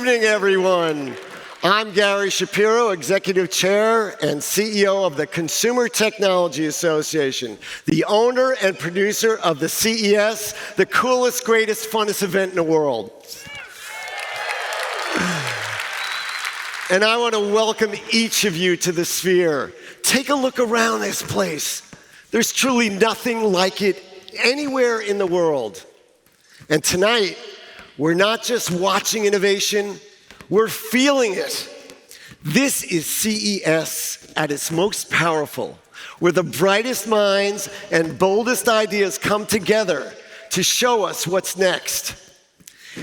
Evening, everyone. I'm Gary Shapiro, Executive Chair and CEO of the Consumer Technology Association, the owner and producer of the CES, the coolest, greatest, funnest event in the world, and I want to welcome each of you to the Sphere. Take a look around this place. There's truly nothing like it anywhere in the world, and tonight, we're not just watching innovation. We're feeling it. This is CES at its most powerful, where the brightest minds and boldest ideas come together to show us what's next,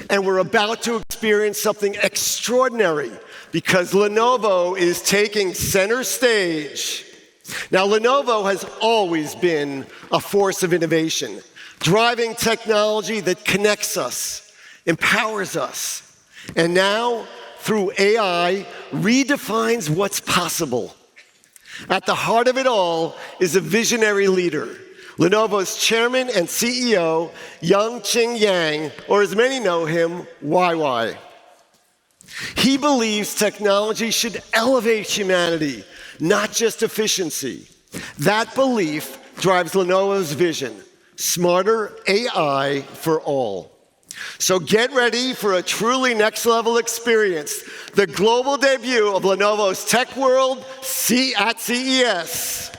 and we're about to experience something extraordinary because Lenovo is taking center stage. Now, Lenovo has always been a force of innovation, driving technology that connects us, empowers us, and now, through AI, redefines what's possible. At the heart of it all is a visionary leader, Lenovo's Chairman and CEO, Yuanqing Yang, or as many know him, YY. He believes technology should elevate humanity, not just efficiency. That belief drives Lenovo's vision: smarter AI for all. So get ready for a truly next-level experience: the global debut of Lenovo's Tech World at CES.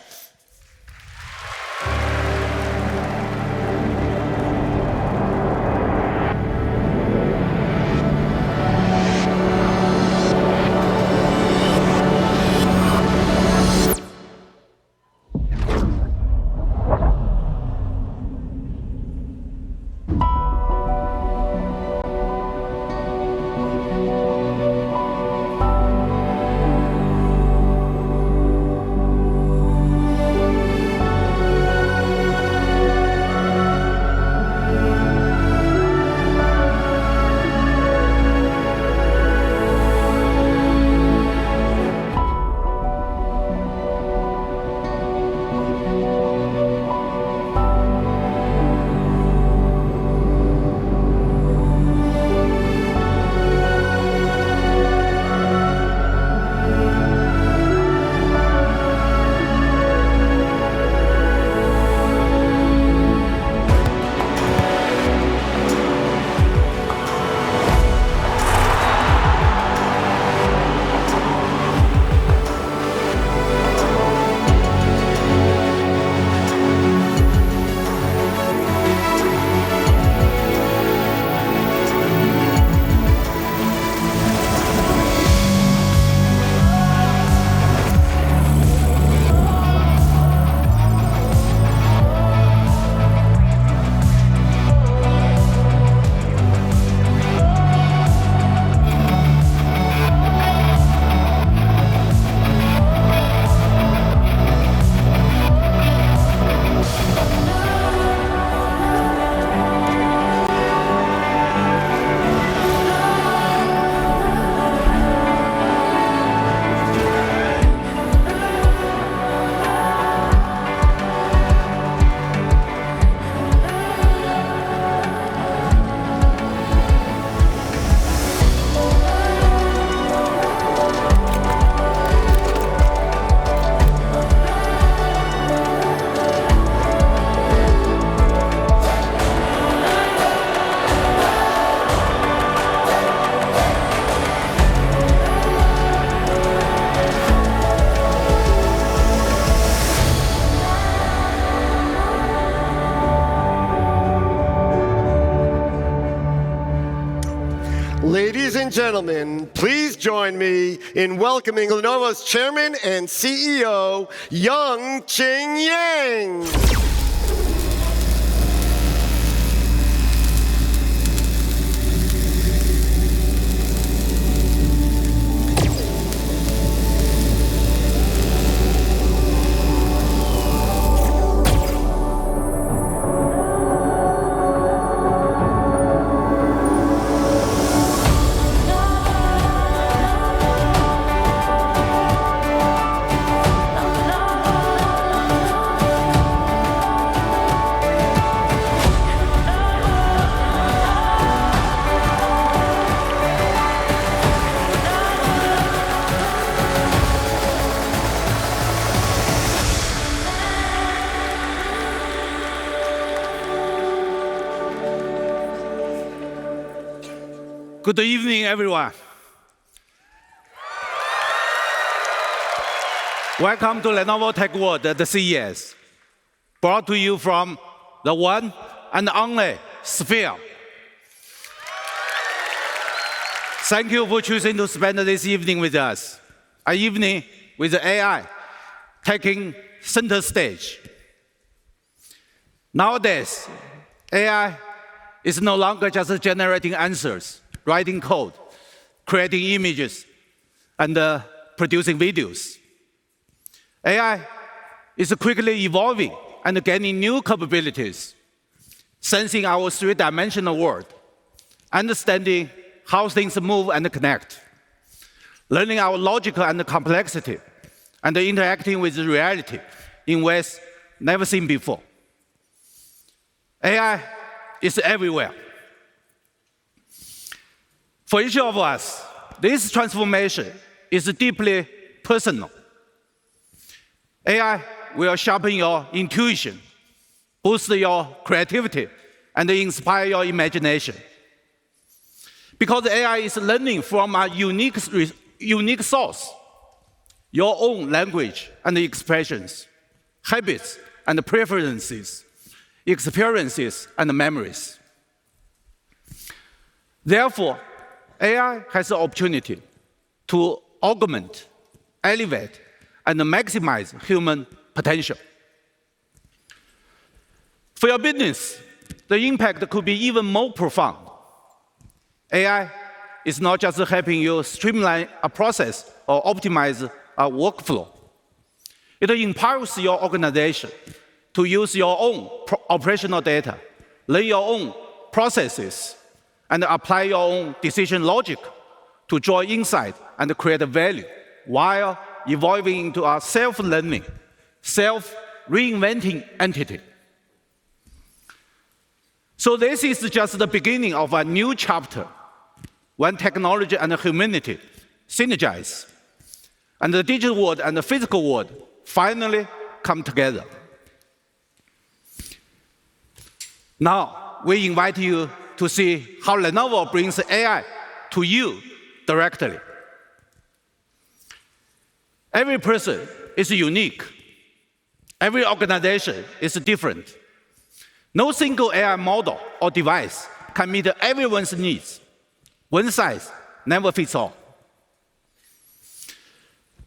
Ladies and gentlemen, please join me in welcoming Lenovo's Chairman and CEO, Yuanqing Yang. Good evening, everyone. Welcome to Lenovo Tech World at the CES, brought to you from the one and only Sphere. Thank you for choosing to spend this evening with us, an evening with AI taking center stage. Nowadays, AI is no longer just generating answers, writing code, creating images, and producing videos. AI is quickly evolving and gaining new capabilities, sensing our three-dimensional world, understanding how things move and connect, learning our logic and complexity, and interacting with reality in ways never seen before. AI is everywhere. For each of us, this transformation is deeply personal. AI will sharpen your intuition, boost your creativity, and inspire your imagination. Because AI is learning from a unique source: your own language and expressions, habits and preferences, experiences and memories. Therefore, AI has the opportunity to augment, elevate, and maximize human potential. For your business, the impact could be even more profound. AI is not just helping you streamline a process or optimize a workflow. It empowers your organization to use your own operational data, lay your own processes, and apply your own decision logic to draw insight and create value while evolving into a self-learning, self-reinventing entity. So this is just the beginning of a new chapter when technology and humanity synergize, and the digital world and the physical world finally come together. Now, we invite you to see how Lenovo brings AI to you directly. Every person is unique. Every organization is different. No single AI model or device can meet everyone's needs. One size never fits all.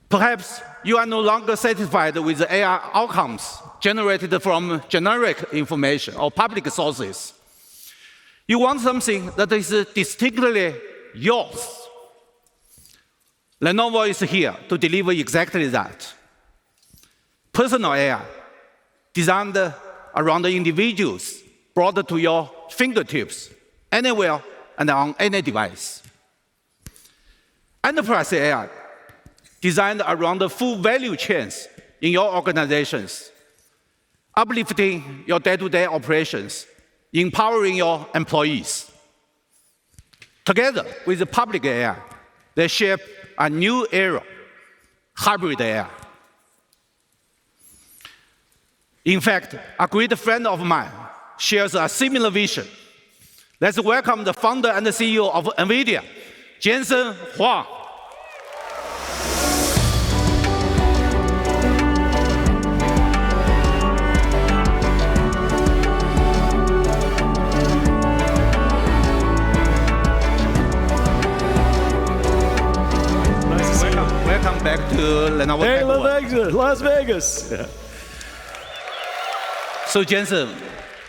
Perhaps you are no longer satisfied with AI outcomes generated from generic information or public sources. You want something that is distinctly yours. Lenovo is here to deliver exactly that: personal AI designed around individuals, brought to your fingertips, anywhere and on any device. Enterprise AI designed around the full value chains in your organizations, uplifting your day-to-day operations, empowering your employees. Together with public AI, they shape a new era: hybrid AI. In fact, a great friend of mine shares a similar vision. Let's welcome the Founder and CEO of NVIDIA, Jensen Huang. Welcome back to Lenovo Tech World. Hey, Las Vegas. Las Vegas. Jensen,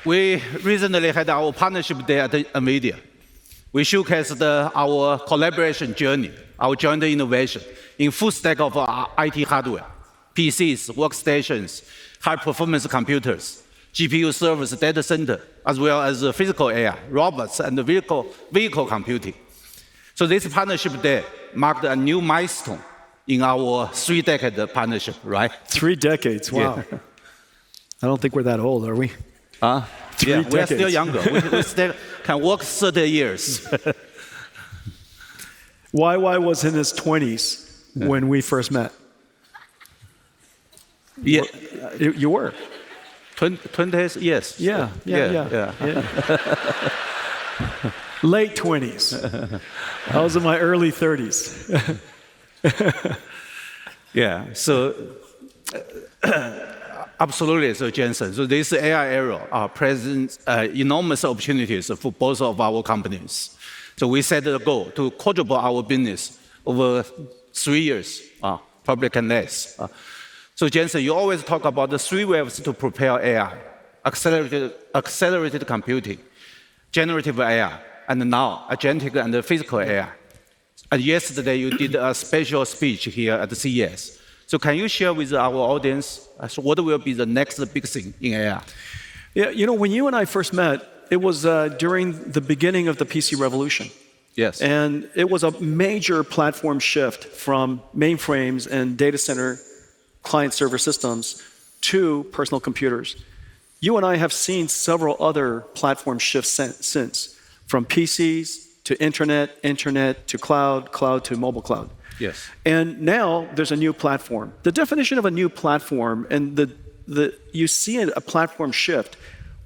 we recently had our partnership day at NVIDIA. We showcased our collaboration journey, our joint innovation in full stack of IT hardware, PCs, workstations, high-performance computers, GPU servers, data center, as well as physical AI, robots, and vehicle computing. This partnership day marked a new milestone in our three-decade partnership, right? Three decades, wow. I don't think we're that old, are we? We are still younger. We still can work 30 years. YY was in his 20s when we first met. You were? 20s? Yes. Yeah. Late 20s. I was in my early 30s. Yeah, so absolutely, so Jensen, so this AI era presents enormous opportunities for both of our companies. So we set a goal to quadruple our business over three years, probably less. So Jensen, you always talk about the three waves to propel AI: accelerated computing, generative AI, and now agentic and physical AI. And yesterday, you did a special speech here at the CES. So can you share with our audience what will be the next big thing in AI? Yeah, you know, when you and I first met, it was during the beginning of the PC revolution. Yes. And it was a major platform shift from mainframes and data center client-server systems to personal computers. You and I have seen several other platform shifts since, from PCs to intranet, intranet to cloud, cloud to mobile cloud. Now there's a new platform. The definition of a new platform, and you see a platform shift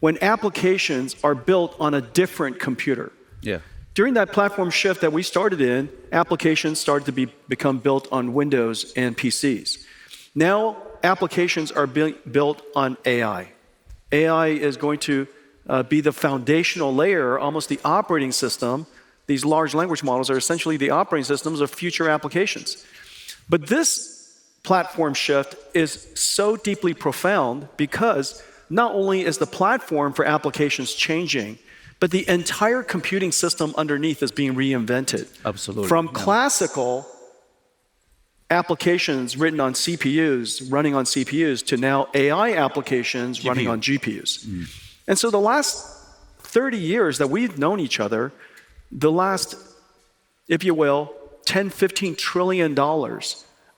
when applications are built on a different computer. Yeah. During that platform shift that we started in, applications started to become built on Windows and PCs. Now applications are being built on AI. AI is going to be the foundational layer, almost the operating system. These large language models are essentially the operating systems of future applications. But this platform shift is so deeply profound because not only is the platform for applications changing, but the entire computing system underneath is being reinvented. Absolutely. From classical applications written on CPUs, running on CPUs, to now AI applications running on GPUs, and so the last 30 years that we've known each other, the last, if you will, $10 trillion-$15 trillion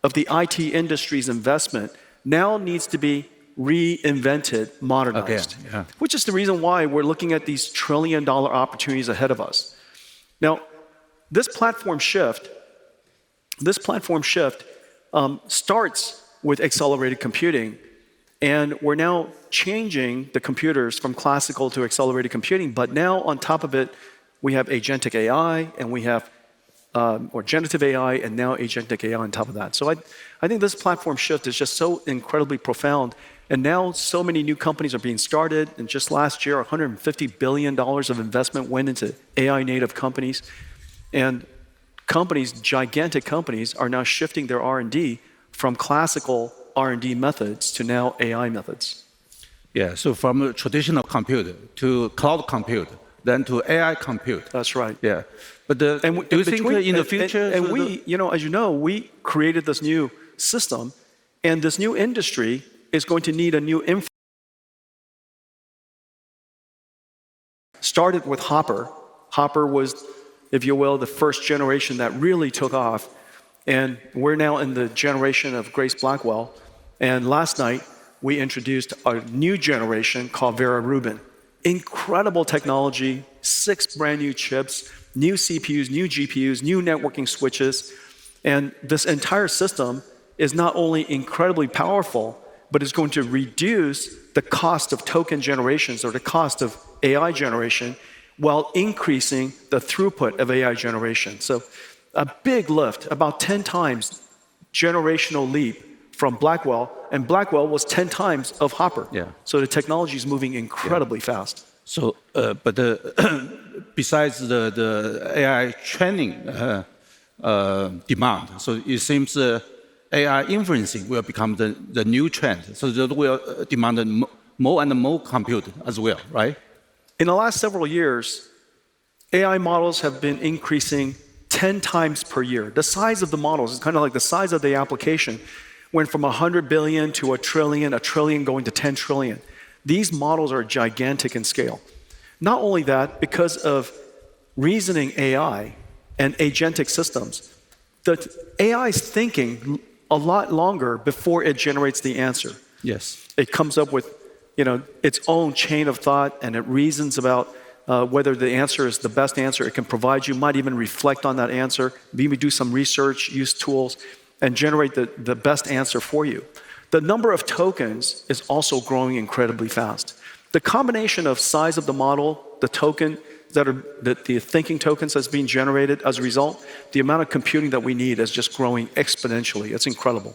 of the IT industry's investment now needs to be reinvented, modernized. Okay, yeah. Which is the reason why we're looking at these trillion-dollar opportunities ahead of us. Now, this platform shift starts with accelerated computing, and we're now changing the computers from classical to accelerated computing, but now, on top of it, we have agentic AI and generative AI, and now agentic AI on top of that, so I think this platform shift is just so incredibly profound, and now so many new companies are being started, and just last year, $150 billion of investment went into AI-native companies, and companies, gigantic companies, are now shifting their R&D from classical R&D methods to now AI methods. Yeah, so from traditional compute to cloud compute, then to AI compute. That's right. Yeah. But do you think in the future? We, you know, as you know, we created this new system, and this new industry is going to need a new one. It started with Hopper. Hopper was, if you will, the first generation that really took off. We are now in the generation of Grace Blackwell. Last night, we introduced a new generation called Vera Rubin. Incredible technology, six brand-new chips, new CPUs, new GPUs, new networking switches. This entire system is not only incredibly powerful, but it is going to reduce the cost of token generations or the cost of AI generation while increasing the throughput of AI generation. It is a big lift, about 10x generational leap from Blackwell. Blackwell was 10x of Hopper. The technology is moving incredibly fast. So, but besides the AI training demand, so it seems AI inferencing will become the new trend. So that will demand more and more compute as well, right? In the last several years, AI models have been increasing 10x per year. The size of the models is kind of like the size of the application went from $100 billion to $1 trillion, $1 trillion going to $10 trillion. These models are gigantic in scale. Not only that, because of reasoning AI and agentic systems, the AI is thinking a lot longer before it generates the answer. Yes. It comes up with, you know, its own chain of thought, and it reasons about whether the answer is the best answer it can provide. You might even reflect on that answer, maybe do some research, use tools, and generate the best answer for you. The number of tokens is also growing incredibly fast. The combination of size of the model, the token that are the thinking tokens that's being generated as a result, the amount of computing that we need is just growing exponentially. It's incredible.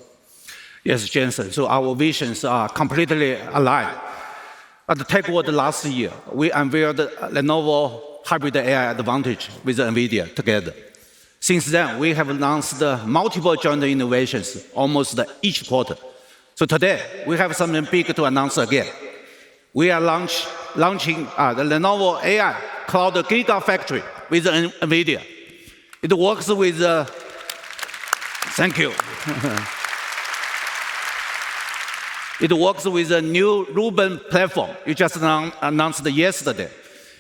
Yes, Jensen, so our visions are completely aligned. At the Tech World last year, we unveiled Lenovo Hybrid AI Advantage with NVIDIA together. Since then, we have announced multiple joint innovations almost each quarter. So today, we have something big to announce again. We are launching the Lenovo AI Cloud Gigafactory with NVIDIA. It works with a new Rubin platform. You just announced it yesterday.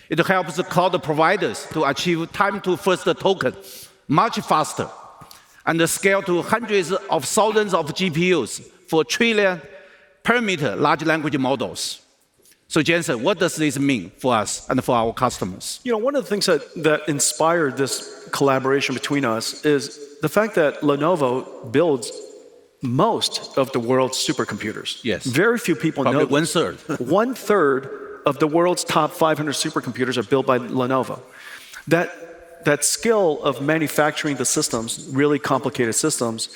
It helps cloud providers to achieve time to first token much faster and scale to hundreds of thousands of GPUs for trillion parameter large language models. So Jensen, what does this mean for us and for our customers? You know, one of the things that inspired this collaboration between us is the fact that Lenovo builds most of the world's supercomputers. Very few people know. Only 1/3. 1/3 of the world's top 500 supercomputers are built by Lenovo. That skill of manufacturing the systems, really complicated systems,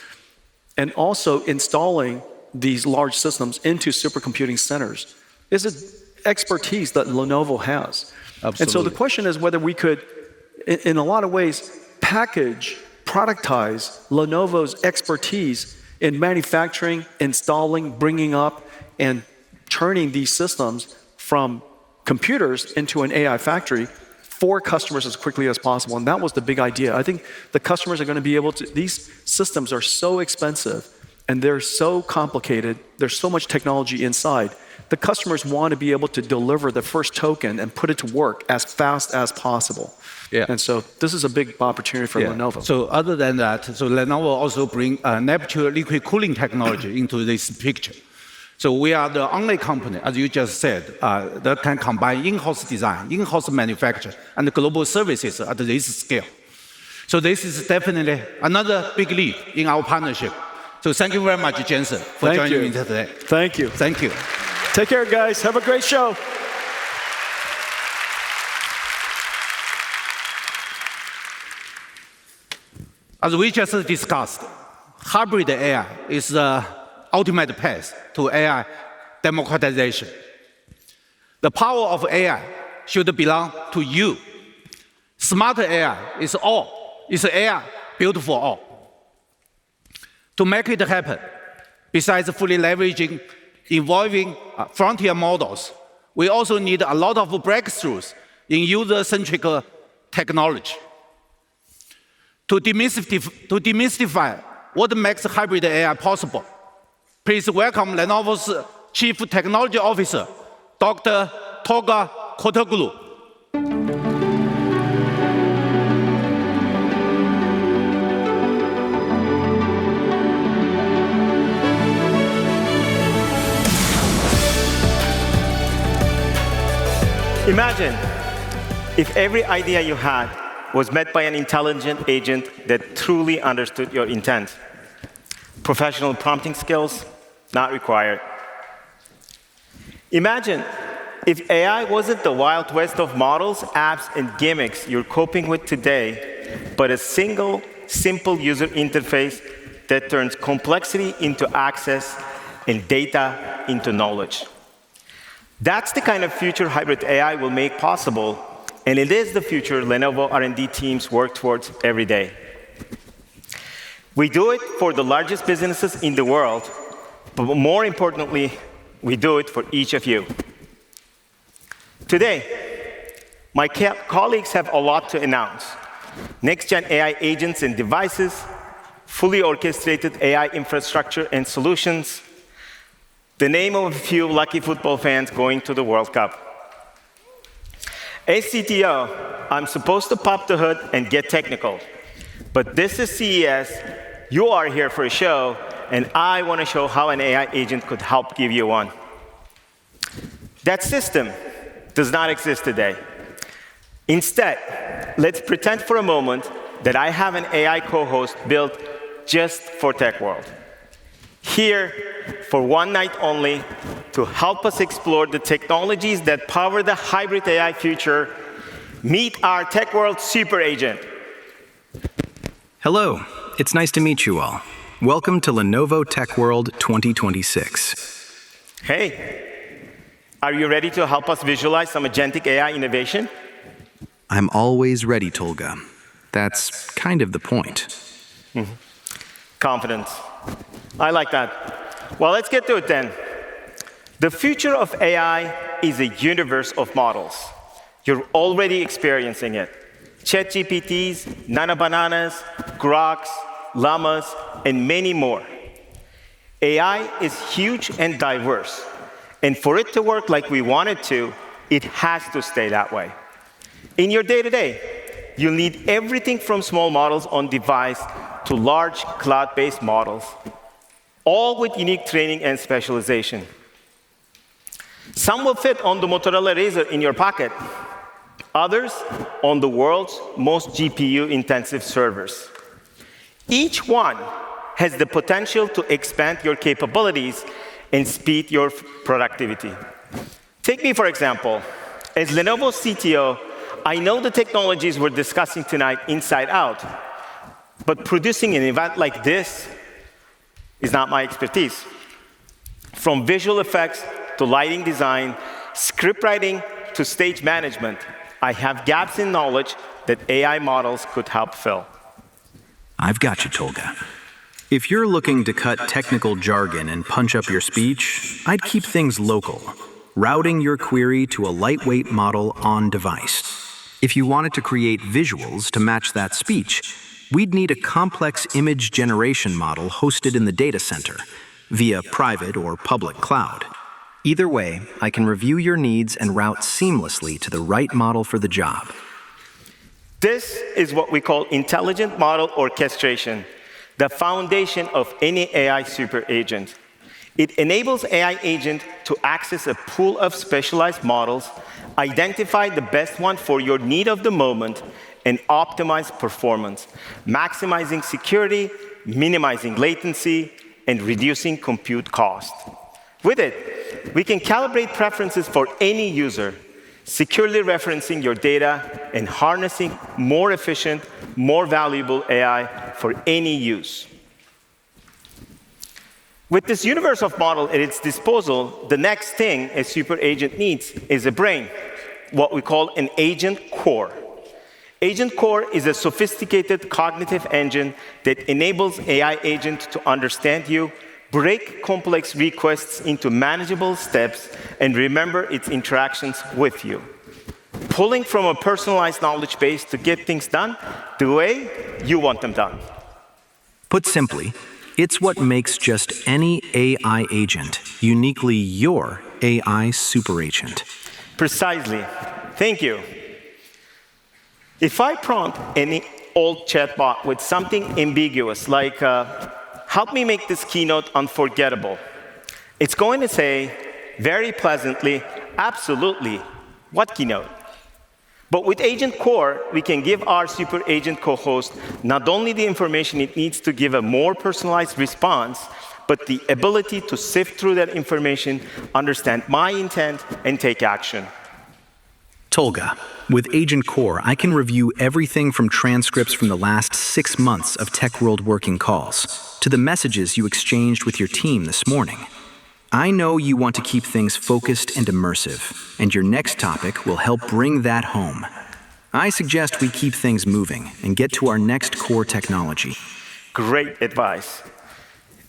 and also installing these large systems into supercomputing centers is an expertise that Lenovo has. Absolutely. And so the question is whether we could, in a lot of ways, package, productize Lenovo's expertise in manufacturing, installing, bringing up, and turning these systems from computers into an AI factory for customers as quickly as possible. And that was the big idea. I think the customers are going to be able to. These systems are so expensive, and they're so complicated. There's so much technology inside. The customers want to be able to deliver the first token and put it to work as fast as possible. This is a big opportunity for Lenovo. Other than that, Lenovo also brings Neptune liquid cooling technology into this picture. We are the only company, as you just said, that can combine in-house design, in-house manufacture, and global services at this scale. This is definitely another big leap in our partnership. Thank you very much, Jensen, for joining me today. Thank you. Thank you. Take care, guys. Have a great show. As we just discussed, hybrid AI is the ultimate path to AI democratization. The power of AI should belong to you. Smart AI is all. It's AI built for all. To make it happen, besides fully leveraging, involving frontier models, we also need a lot of breakthroughs in user-centric technology. To demystify what makes hybrid AI possible, please welcome Lenovo's Chief Technology Officer, Dr. Tolga Kurtoglu. Imagine if every idea you had was met by an intelligent agent that truly understood your intent. Professional prompting skills not required. Imagine if AI wasn't the Wild West of models, apps, and gimmicks you're coping with today, but a single, simple user interface that turns complexity into access and data into knowledge. That's the kind of future hybrid AI will make possible, and it is the future Lenovo R&D teams work towards every day. We do it for the largest businesses in the world, but more importantly, we do it for each of you. Today, my colleagues have a lot to announce. Next-gen AI agents and devices, fully orchestrated AI infrastructure and solutions, the name of a few lucky football fans going to the World Cup. As CTO, I'm supposed to pop the hood and get technical, but this is CES. You are here for a show, and I want to show how an AI agent could help give you one. That system does not exist today. Instead, let's pretend for a moment that I have an AI co-host built just for Tech World. Here for one night only to help us explore the technologies that power the hybrid AI future, meet our Tech World super agent. Hello. It's nice to meet you all. Welcome to Lenovo Tech World 2026. Hey. Are you ready to help us visualize some agentic AI innovation? I'm always ready, Tolga. That's kind of the point. Confidence. I like that. Well, let's get to it then. The future of AI is a universe of models. You're already experiencing it. ChatGPTs, nano bananas, groks, llamas, and many more. AI is huge and diverse. And for it to work like we want it to, it has to stay that way. In your day-to-day, you'll need everything from small models on device to large cloud-based models, all with unique training and specialization. Some will fit on the Motorola Razr in your pocket. Others on the world's most GPU-intensive servers. Each one has the potential to expand your capabilities and speed your productivity. Take me, for example. As Lenovo CTO, I know the technologies we're discussing tonight inside out. But producing an event like this is not my expertise. From visual effects to lighting design, scriptwriting to stage management, I have gaps in knowledge that AI models could help fill. I've got you, Tolga. If you're looking to cut technical jargon and punch up your speech, I'd keep things local, routing your query to a lightweight model on device. If you wanted to create visuals to match that speech, we'd need a complex image generation model hosted in the data center via private or public cloud. Either way, I can review your needs and route seamlessly to the right model for the job. This is what we call intelligent model orchestration, the foundation of any AI super agent. It enables AI agents to access a pool of specialized models, identify the best one for your need of the moment, and optimize performance, maximizing security, minimizing latency, and reducing compute cost. With it, we can calibrate preferences for any user, securely referencing your data and harnessing more efficient, more valuable AI for any use. With this universe of models at its disposal, the next thing a super agent needs is a brain, what we call an agent core. Agent Core is a sophisticated cognitive engine that enables AI agents to understand you, break complex requests into manageable steps, and remember its interactions with you, pulling from a personalized knowledge base to get things done the way you want them done. Put simply, it's what makes just any AI agent uniquely your AI super agent. Precisely. Thank you. If I prompt any old chatbot with something ambiguous, like, "Help me make this keynote unforgettable," it's going to say, very pleasantly, "Absolutely. What keynote?" But with Agent Core, we can give our super agent co-host not only the information it needs to give a more personalized response, but the ability to sift through that information, understand my intent, and take action. Tolga, with Agent Core, I can review everything from transcripts from the last six months of Tech World working calls to the messages you exchanged with your team this morning. I know you want to keep things focused and immersive, and your next topic will help bring that home. I suggest we keep things moving and get to our next core technology. Great advice.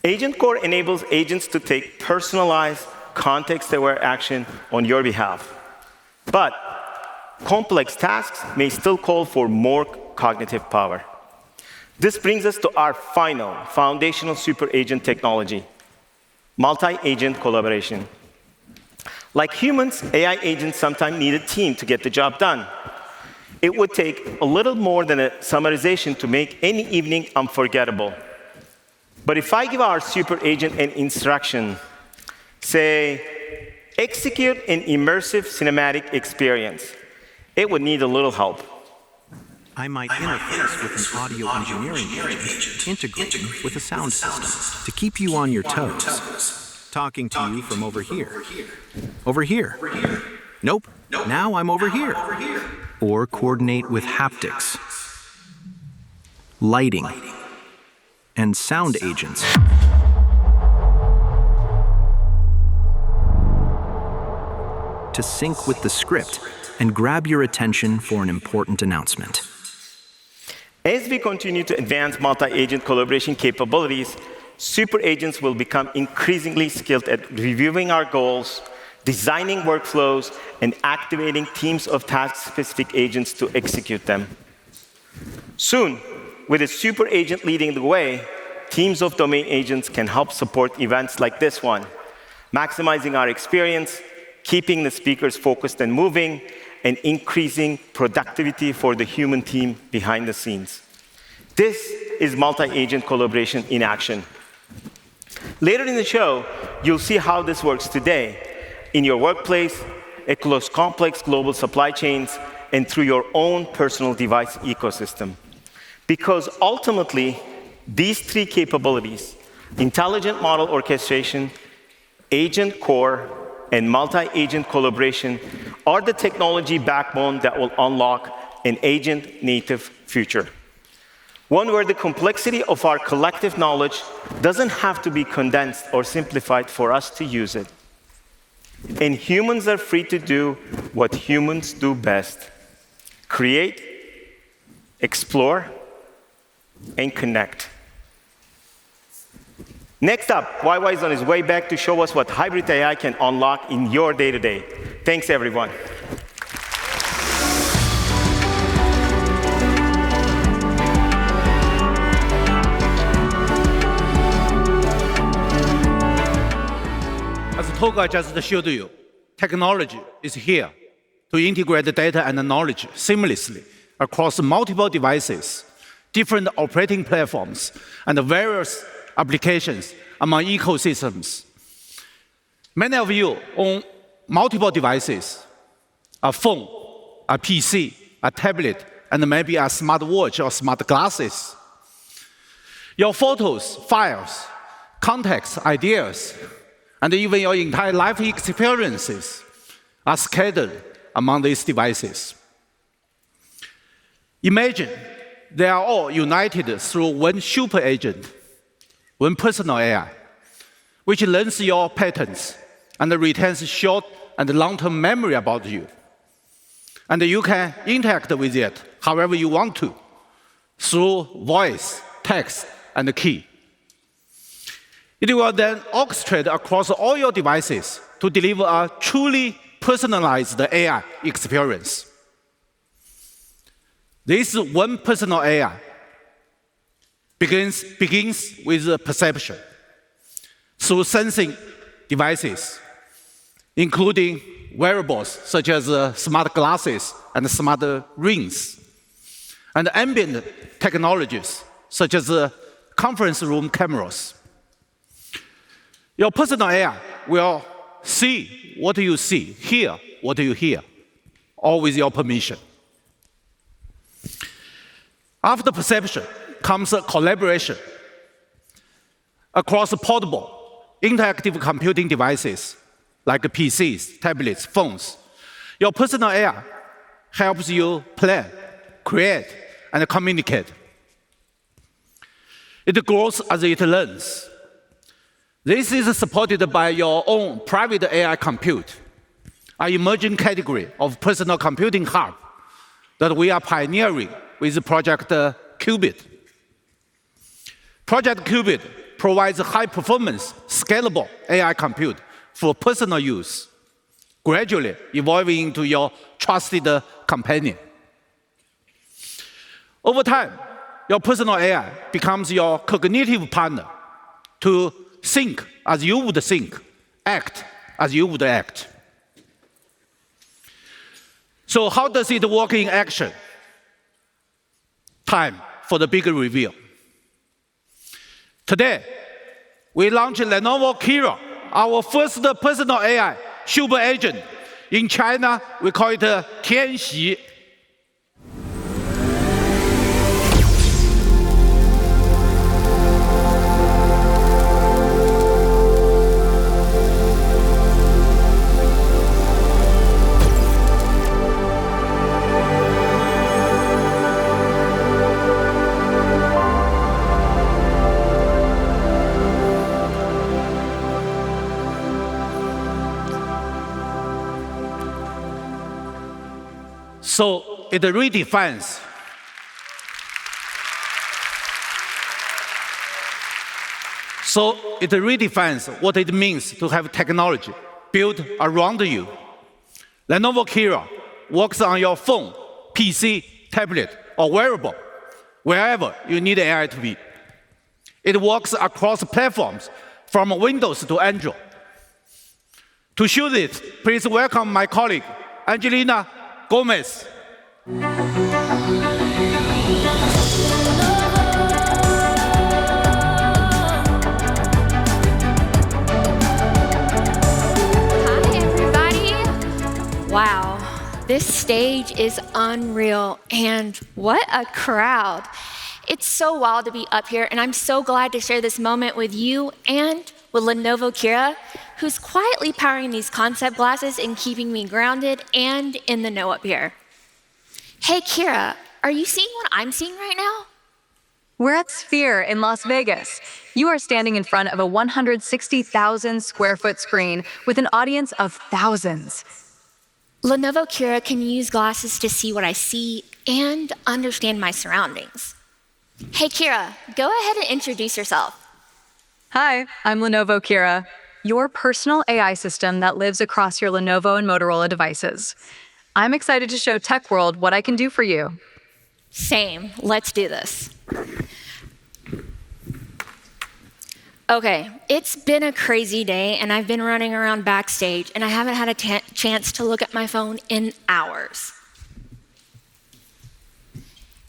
Agent Core enables agents to take personalized, context-aware action on your behalf. But complex tasks may still call for more cognitive power. This brings us to our final foundational super agent technology, multi-agent collaboration. Like humans, AI agents sometimes need a team to get the job done. It would take a little more than a summarization to make any evening unforgettable. But if I give our super agent an instruction, say, "Execute an immersive cinematic experience," it would need a little help. I might interface with an audio engineering agent, integrate with a sound system to keep you on your toes, talking to you from over here. Over here. Nope. Now I'm over here. Or coordinate with haptics, lighting, and sound agents to sync with the script and grab your attention for an important announcement. As we continue to advance multi-agent collaboration capabilities, super agents will become increasingly skilled at reviewing our goals, designing workflows, and activating teams of task-specific agents to execute them. Soon, with a super agent leading the way, teams of domain agents can help support events like this one, maximizing our experience, keeping the speakers focused and moving, and increasing productivity for the human team behind the scenes. This is multi-agent collaboration in action. Later in the show, you'll see how this works today in your workplace, across complex global supply chains, and through your own personal device ecosystem. Because ultimately, these three capabilities, intelligent model orchestration, Agent Core, and multi-agent collaboration, are the technology backbone that will unlock an agent-native future, one where the complexity of our collective knowledge doesn't have to be condensed or simplified for us to use it. Humans are free to do what humans do best: create, explore, and connect. Next up, YY's on his way back to show us what hybrid AI can unlock in your day-to-day. Thanks, everyone. As Tolga just showed you, technology is here to integrate the data and the knowledge seamlessly across multiple devices, different operating platforms, and various applications among ecosystems. Many of you own multiple devices: a phone, a PC, a tablet, and maybe a smartwatch or smart glasses. Your photos, files, contacts, ideas, and even your entire life experiences are scattered among these devices. Imagine they are all united through one super agent, one personal AI, which learns your patterns and retains short and long-term memory about you. You can interact with it however you want to through voice, text, and key. It will then orchestrate across all your devices to deliver a truly personalized AI experience. This one personal AI begins with perception through sensing devices, including wearables such as smart glasses and smart rings, and ambient technologies such as conference room cameras. Your personal AI will see what you see, hear what you hear, all with your permission. After perception comes collaboration across portable, interactive computing devices like PCs, tablets, phones. Your personal AI helps you plan, create, and communicate. It grows as it learns. This is supported by your own private AI compute, an emerging category of personal computing hub that we are pioneering with Project Qubit. Project Qubit provides high-performance, scalable AI compute for personal use, gradually evolving into your trusted companion. Over time, your personal AI becomes your cognitive partner to think as you would think, act as you would act. So how does it work in action? Time for the big reveal. Today, we launch Lenovo Qira, our first personal AI super agent. In China, we call it Tianxi. So it redefines what it means to have technology built around you. Lenovo Qira works on your phone, PC, tablet, or wearable, wherever you need AI to be. It works across platforms from Windows to Android. To show this, please welcome my colleague, Angelina Gomez. Hi, everybody. Wow, this stage is unreal, and what a crowd. It's so wild to be up here, and I'm so glad to share this moment with you and with Lenovo Qira, who's quietly powering these concept glasses and keeping me grounded and in the know up here. Hey, Qira, are you seeing what I'm seeing right now? We're at Sphere in Las Vegas. You are standing in front of a 160,000-sq-ft screen with an audience of thousands. Lenovo Qira can use glasses to see what I see and understand my surroundings. Hey, Qira, go ahead and introduce yourself. Hi, I'm Lenovo Qira, your personal AI system that lives across your Lenovo and Motorola devices. I'm excited to show Tech World what I can do for you. Same. Let's do this. Okay, it's been a crazy day, and I've been running around backstage, and I haven't had a chance to look at my phone in hours.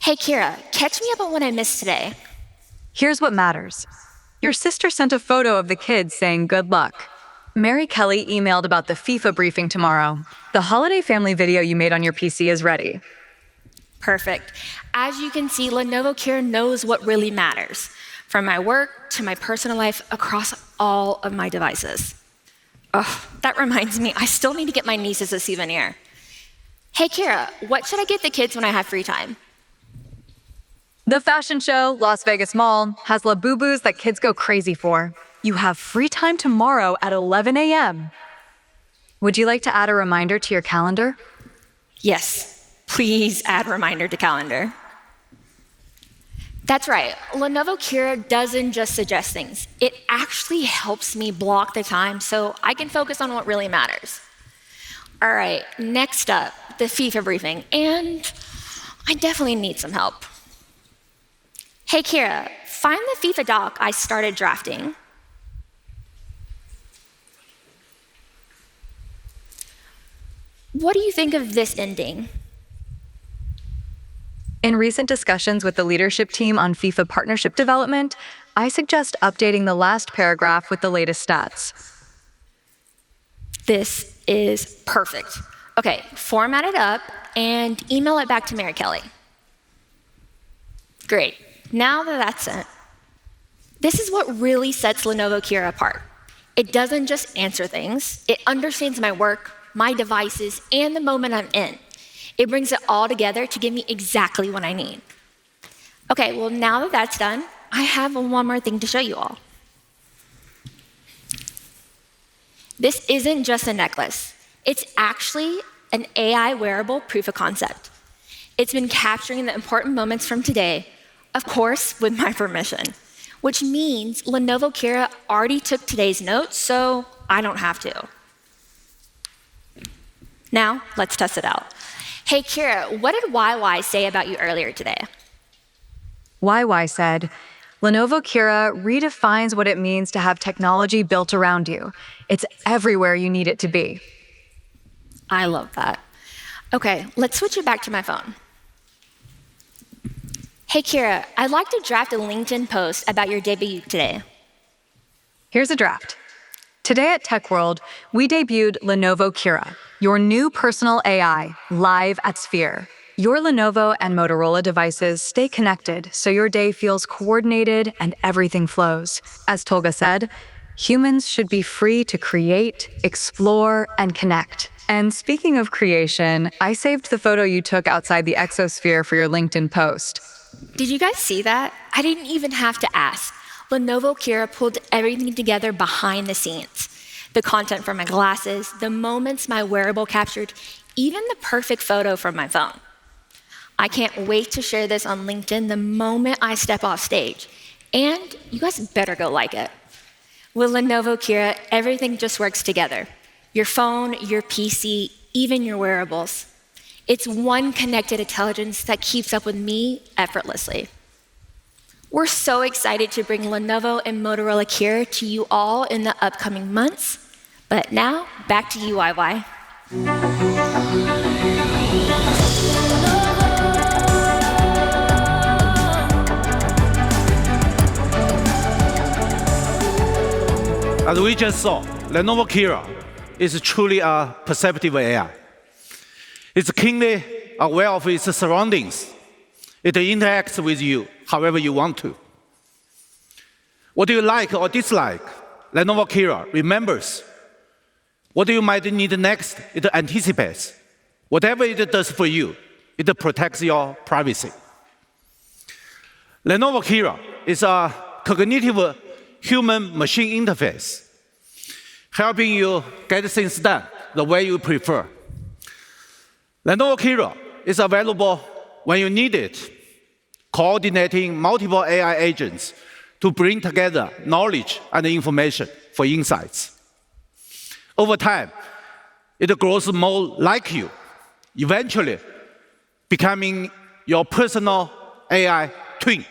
Hey, Qira, catch me up on what I missed today. Here's what matters. Your sister sent a photo of the kids saying good luck. Mary Kelly emailed about the FIFA briefing tomorrow. The holiday family video you made on your PC is ready. Perfect. As you can see, Lenovo Qira knows what really matters, from my work to my personal life across all of my devices. Ugh, that reminds me. I still need to get my nieces a souvenir. Hey, Qira, what should I give the kids when I have free time? The Fashion Show, Las Vegas Mall, has Labubus that kids go crazy for. You have free time tomorrow at 11:00 A.M. Would you like to add a reminder to your calendar? Yes, please add a reminder to the calendar. That's right. Lenovo Qira doesn't just suggest things. It actually helps me block the time so I can focus on what really matters. All right, next up, the FIFA briefing, and I definitely need some help. Hey, Qira, find the FIFA doc I started drafting. What do you think of this ending? In recent discussions with the leadership team on FIFA partnership development, I suggest updating the last paragraph with the latest stats. This is perfect. Okay, format it up and email it back to Mary Kelly. Great. Now that that's sent, this is what really sets Lenovo Qira apart. It doesn't just answer things. It understands my work, my devices, and the moment I'm in. It brings it all together to give me exactly what I need. Okay, well, now that that's done, I have one more thing to show you all. This isn't just a necklace. It's actually an AI wearable proof of concept. It's been capturing the important moments from today, of course, with my permission, which means Lenovo Qira already took today's notes, so I don't have to. Now let's test it out. Hey, Qira, what did YY say about you earlier today? YY said, "Lenovo Qira redefines what it means to have technology built around you. It's everywhere you need it to be. I love that. Okay, let's switch it back to my phone. Hey, Qira, I'd like to draft a LinkedIn post about your debut today. Here's a draft. Today at Tech World, we debuted Lenovo Qira, your new personal AI, live at Sphere. Your Lenovo and Motorola devices stay connected so your day feels coordinated and everything flows. As Tolga said, "Humans should be free to create, explore, and connect," and speaking of creation, I saved the photo you took outside the Sphere for your LinkedIn post. Did you guys see that? I didn't even have to ask. Lenovo Qira pulled everything together behind the scenes: the content for my glasses, the moments my wearable captured, even the perfect photo from my phone. I can't wait to share this on LinkedIn the moment I step off stage. And you guys better go like it. With Lenovo Qira, everything just works together. Your phone, your PC, even your wearables. It's one connected intelligence that keeps up with me effortlessly. We're so excited to bring Lenovo and Motorola Qira to you all in the upcoming months. But now, back to you, YY. As we just saw, Lenovo Qira is truly a perceptive AI. It's keenly aware of its surroundings. It interacts with you however you want to. What do you like or dislike? Lenovo Qira remembers. What do you might need next? It anticipates. Whatever it does for you, it protects your privacy. Lenovo Qira is a cognitive human-machine interface, helping you get things done the way you prefer. Lenovo Qira is available when you need it, coordinating multiple AI agents to bring together knowledge and information for insights. Over time, it grows more like you, eventually becoming your personal AI twin.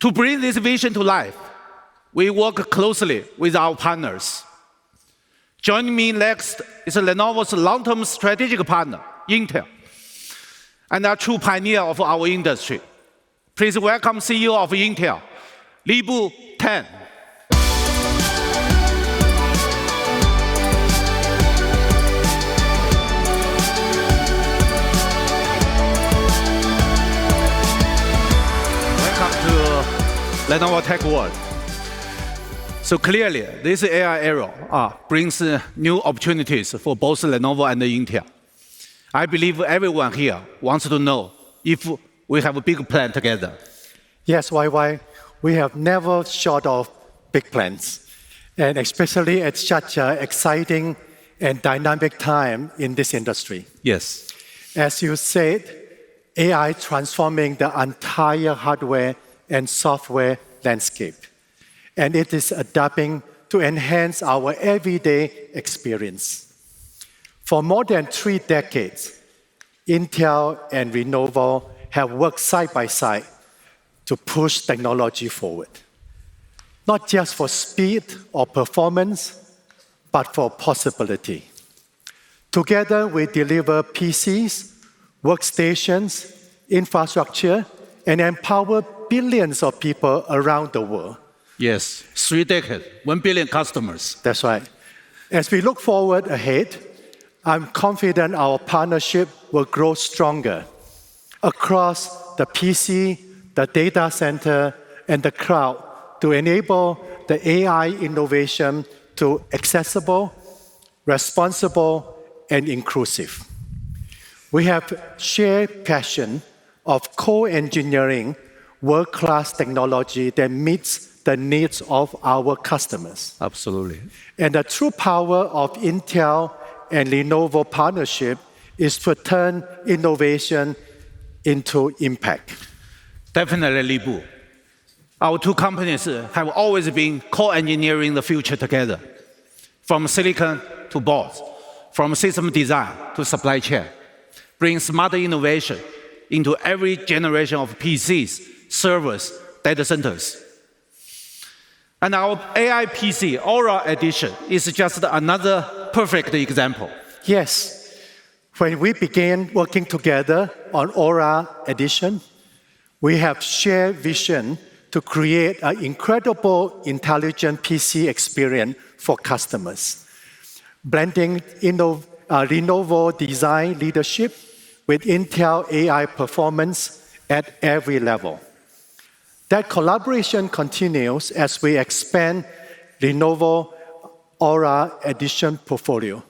To bring this vision to life, we work closely with our partners. Joining me next is Lenovo's long-term strategic partner, Intel, and a true pioneer of our industry. Please welcome CEO of Intel, Lip-Bu Tan. Welcome to Lenovo Tech World. So clearly, this AI era brings new opportunities for both Lenovo and Intel. I believe everyone here wants to know if we have a big plan together. Yes, YY, we have never thought of big plans, and especially at such an exciting and dynamic time in this industry. Yes. As you said, AI is transforming the entire hardware and software landscape, and it is adapting to enhance our everyday experience. For more than three decades, Intel and Lenovo have worked side by side to push technology forward, not just for speed or performance, but for possibility. Together, we deliver PCs, workstations, infrastructure, and empower billions of people around the world. Yes, three decades, 1 billion customers. That's right. As we look forward ahead, I'm confident our partnership will grow stronger across the PC, the data center, and the cloud to enable the AI innovation to be accessible, responsible, and inclusive. We have shared passion for co-engineering world-class technology that meets the needs of our customers. Absolutely. The true power of Intel and Lenovo's partnership is to turn innovation into impact. Definitely, Lip-Bu. Our two companies have always been co-engineering the future together, from silicon to boards, from system design to supply chain, bringing smart innovation into every generation of PCs, servers, data centers, and our AI PC, Aura Edition, is just another perfect example. Yes. When we began working together on Aura Edition, we had shared vision to create an incredible intelligent PC experience for customers, blending Lenovo's design leadership with Intel's AI performance at every level. That collaboration continues as we expand Lenovo's Aura Edition portfolio,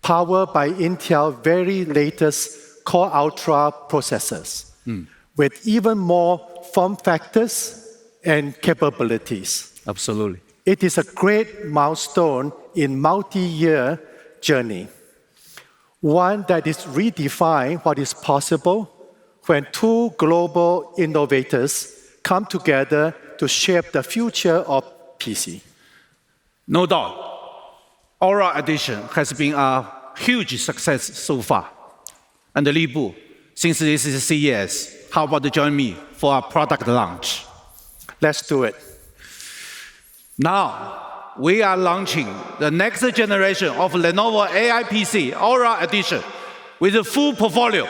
powered by Intel's very latest Core Ultra processors with even more form factors and capabilities. Absolutely. It is a great milestone in a multi-year journey, one that redefines what is possible when two global innovators come together to shape the future of PC. No doubt, Aura Edition has been a huge success so far. And Lip-Bu, since this is CES, how about joining me for a product launch? Let's do it. Now, we are launching the next generation of Lenovo AI PC, Aura Edition, with a full portfolio.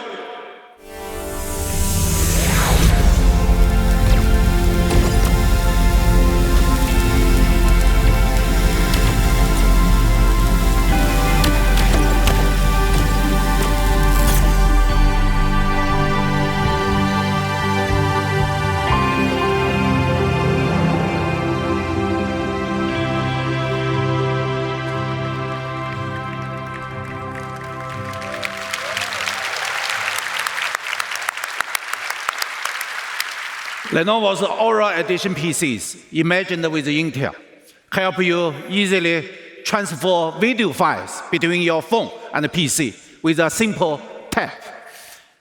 Lenovo's Aura Edition PCs imagined with Intel help you easily transfer video files between your phone and PC with a simple tap,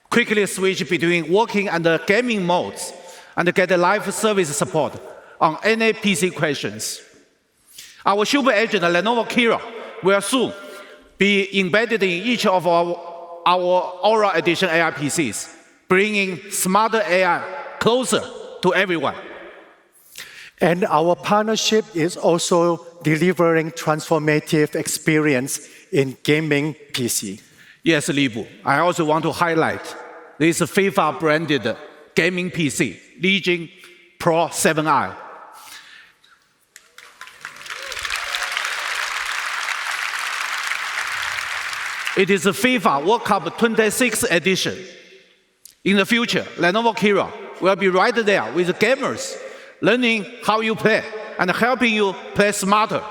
quickly switch between working and gaming modes, and get live service support on any PC questions. Our super agent, Lenovo Qira, will soon be embedded in each of our Aura Edition AI PCs, bringing smart AI closer to everyone. Our partnership is also delivering a transformative experience in gaming PC. Yes, Lip-Bu, I also want to highlight this FIFA-branded gaming PC, Legion Pro 7i. It is a FIFA World Cup 26th edition. In the future, Lenovo Qira will be right there with gamers, learning how you play and helping you play smarter.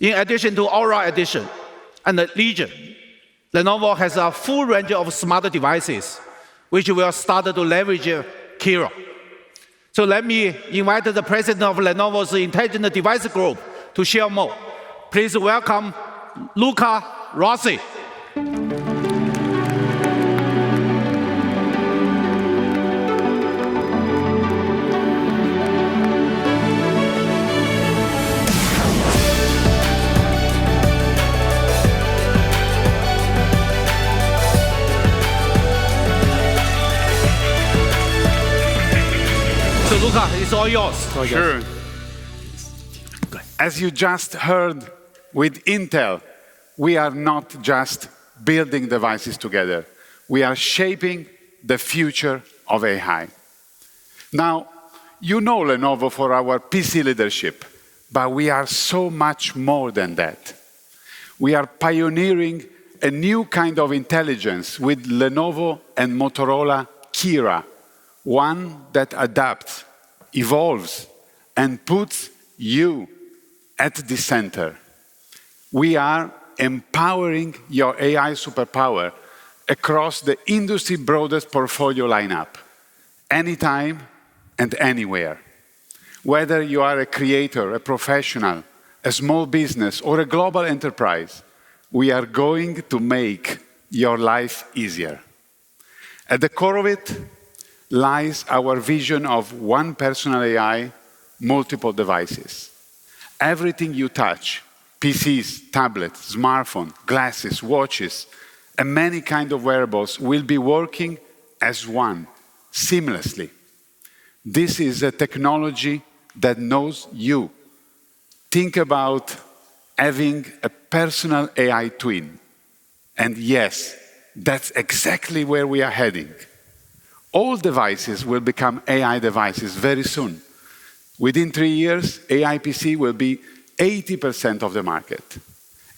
In addition to Aura Edition and Legion, Lenovo has a full range of smart devices, which we are starting to leverage Qira, so let me invite the president of Lenovo's Intelligent Devices Group to share more. Please welcome Luca Rossi, so Luca, it's all yours. Sure. As you just heard with Intel, we are not just building devices together. We are shaping the future of AI. Now, you know Lenovo for our PC leadership, but we are so much more than that. We are pioneering a new kind of intelligence with Lenovo and Motorola Qira, one that adapts, evolves, and puts you at the center. We are empowering your AI superpower across the industry's broadest portfolio lineup, anytime and anywhere. Whether you are a creator, a professional, a small business, or a global enterprise, we are going to make your life easier. At the core of it lies our vision of one personal AI, multiple devices. Everything you touch (PCs, tablets, smartphones, glasses, watches, and many kinds of wearables) will be working as one, seamlessly. This is a technology that knows you. Think about having a personal AI twin. And yes, that's exactly where we are heading. All devices will become AI devices very soon. Within three years, AI PC will be 80% of the market,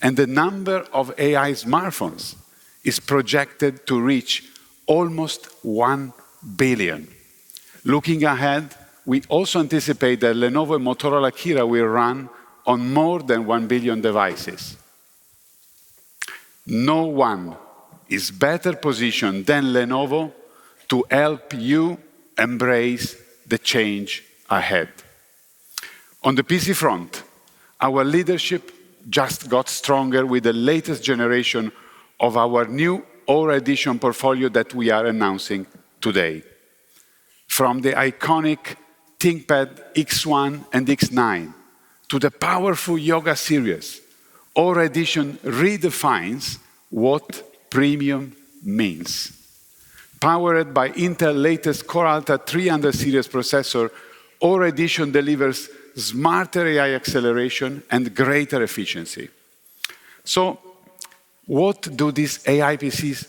and the number of AI smartphones is projected to reach almost 1 billion. Looking ahead, we also anticipate that Lenovo and Motorola Qira will run on more than 1 billion devices. No one is better positioned than Lenovo to help you embrace the change ahead. On the PC front, our leadership just got stronger with the latest generation of our new Aura Edition portfolio that we are announcing today. From the iconic ThinkPad X1 and X9 to the powerful Yoga series, Aura Edition redefines what premium means. Powered by Intel's latest Core Ultra 300 series processor, Aura Edition delivers smarter AI acceleration and greater efficiency, so what do these AI PCs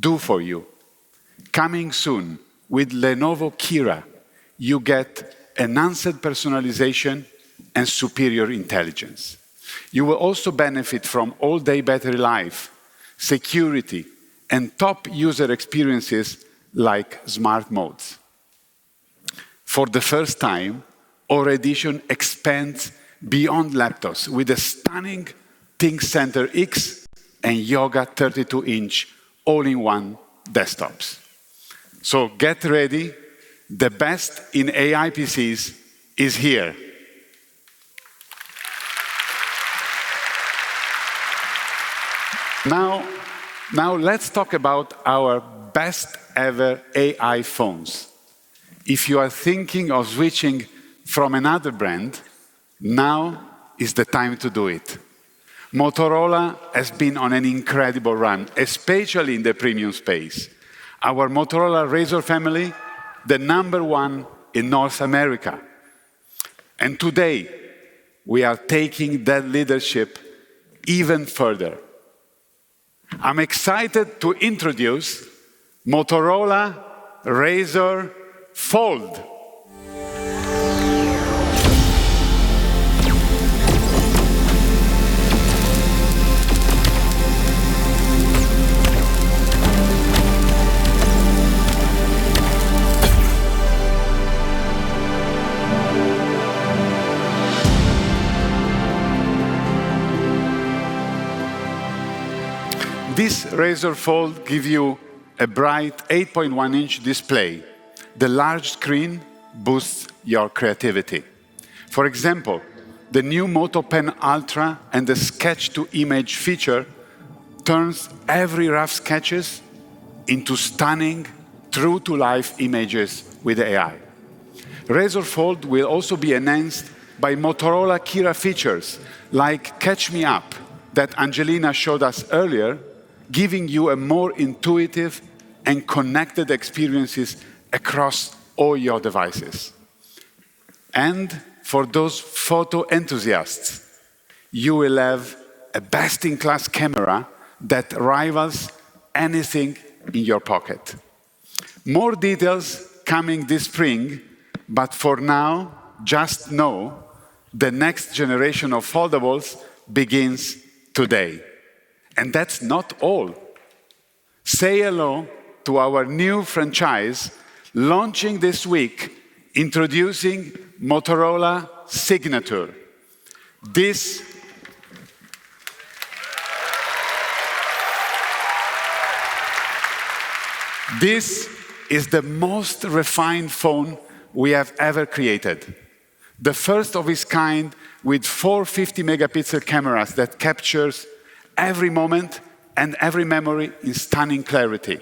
do for you? Coming soon, with Lenovo Qira, you get enhanced personalization and superior intelligence. You will also benefit from all-day battery life, security, and top user experiences like smart modes. For the first time, Aura Edition expands beyond laptops with a stunning ThinkCentre X and Yoga 32-inch all-in-one desktops, so get ready. The best in AI PCs is here. Now, let's talk about our best-ever AI phones. If you are thinking of switching from another brand, now is the time to do it. Motorola has been on an incredible run, especially in the premium space. Our Motorola Razr family, the number one in North America, and today, we are taking that leadership even further. I'm excited to introduce Motorola Razr Fold. This Razr Fold gives you a bright 8.1-inch display. The large screen boosts your creativity. For example, the new Moto Pen Ultra and the sketch-to-image feature turn every rough sketch into stunning, true-to-life images with AI. Razr Fold will also be enhanced by Motorola Qira features like Catch Me Up that Angelina showed us earlier, giving you a more intuitive and connected experience across all your devices. And for those photo enthusiasts, you will have a best-in-class camera that rivals anything in your pocket. More details coming this spring. But for now, just know the next generation of foldables begins today. And that's not all. Say hello to our new franchise launching this week, introducing Motorola Signature. This is the most refined phone we have ever created, the first of its kind with four 50-megapixel cameras that capture every moment and every memory in stunning clarity.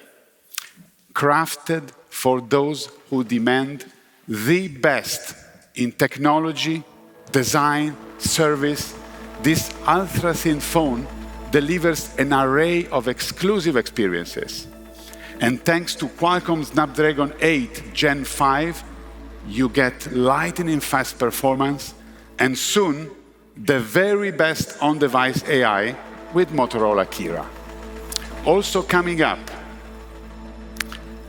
Crafted for those who demand the best in technology, design, service, this ultra-thin phone delivers an array of exclusive experiences. And thanks to Qualcomm's Snapdragon 8 Gen 5, you get lightning-fast performance and soon the very best on-device AI with Motorola Qira. Also coming up,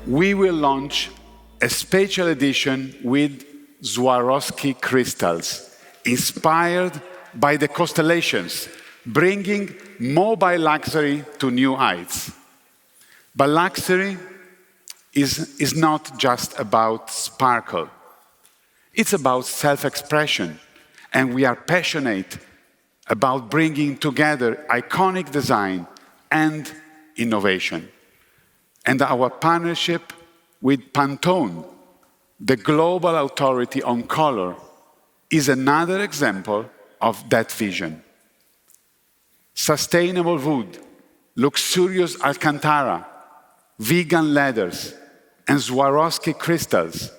we will launch a special edition with Swarovski crystals inspired by the constellations, bringing mobile luxury to new heights. But luxury is not just about sparkle. It's about self-expression. And we are passionate about bringing together iconic design and innovation. And our partnership with Pantone, the global authority on color, is another example of that vision. Sustainable wood, luxurious Alcantara, vegan leathers, and Swarovski crystals,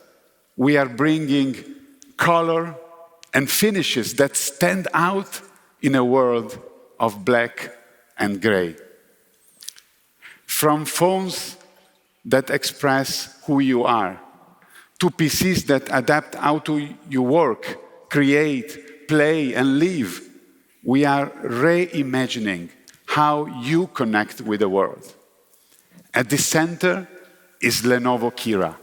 we are bringing color and finishes that stand out in a world of black and gray. From phones that express who you are to PCs that adapt how you work, create, play, and live, we are reimagining how you connect with the world. At the center is Lenovo Qira,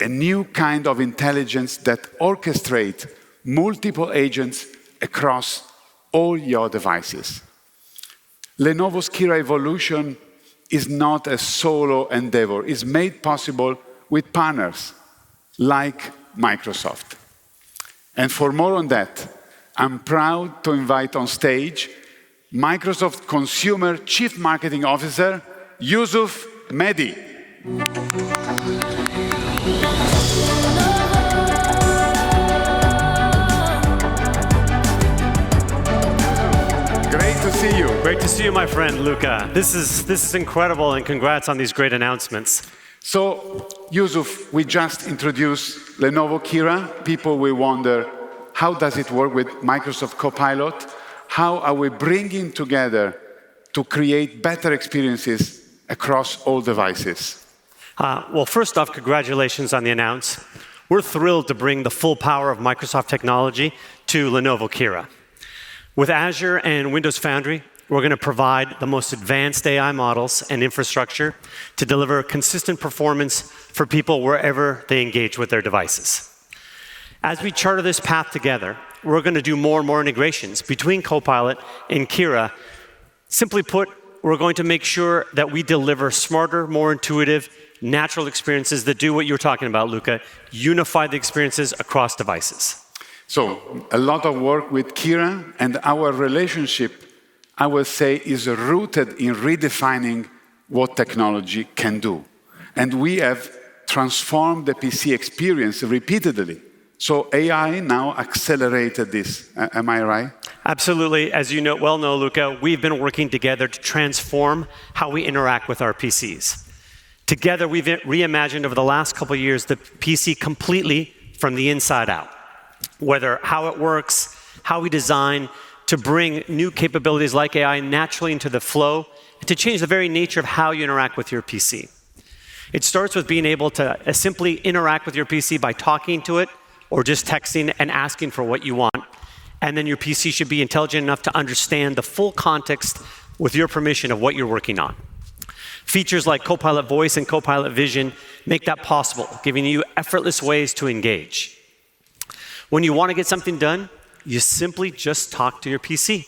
a new kind of intelligence that orchestrates multiple agents across all your devices. Lenovo's Qira evolution is not a solo endeavor. It's made possible with partners like Microsoft. And for more on that, I'm proud to invite on stage Microsoft Consumer Chief Marketing Officer Yusuf Mehdi. Great to see you. Great to see you, my friend Luca. This is incredible. And congrats on these great announcements. So Yusuf, we just introduced Lenovo Qira. People will wonder, how does it work with Microsoft Copilot? How are we bringing together to create better experiences across all devices? Well, first off, congratulations on the announcement. We're thrilled to bring the full power of Microsoft technology to Lenovo Qira. With Azure and Windows Foundry, we're going to provide the most advanced AI models and infrastructure to deliver consistent performance for people wherever they engage with their devices. As we chart this path together, we're going to do more and more integrations between Copilot and Qira. Simply put, we're going to make sure that we deliver smarter, more intuitive, natural experiences that do what you're talking about, Luca, unify the experiences across devices. So a lot of work with Qira and our relationship, I would say, is rooted in redefining what technology can do. And we have transformed the PC experience repeatedly. So AI now accelerated this. Am I right? Absolutely. As you well know, Luca, we've been working together to transform how we interact with our PCs. Together, we've reimagined over the last couple of years the PC completely from the inside out, whether how it works, how we design to bring new capabilities like AI naturally into the flow, to change the very nature of how you interact with your PC. It starts with being able to simply interact with your PC by talking to it or just texting and asking for what you want, and then your PC should be intelligent enough to understand the full context with your permission of what you're working on. Features like Copilot Voice and Copilot Vision make that possible, giving you effortless ways to engage. When you want to get something done, you simply just talk to your PC.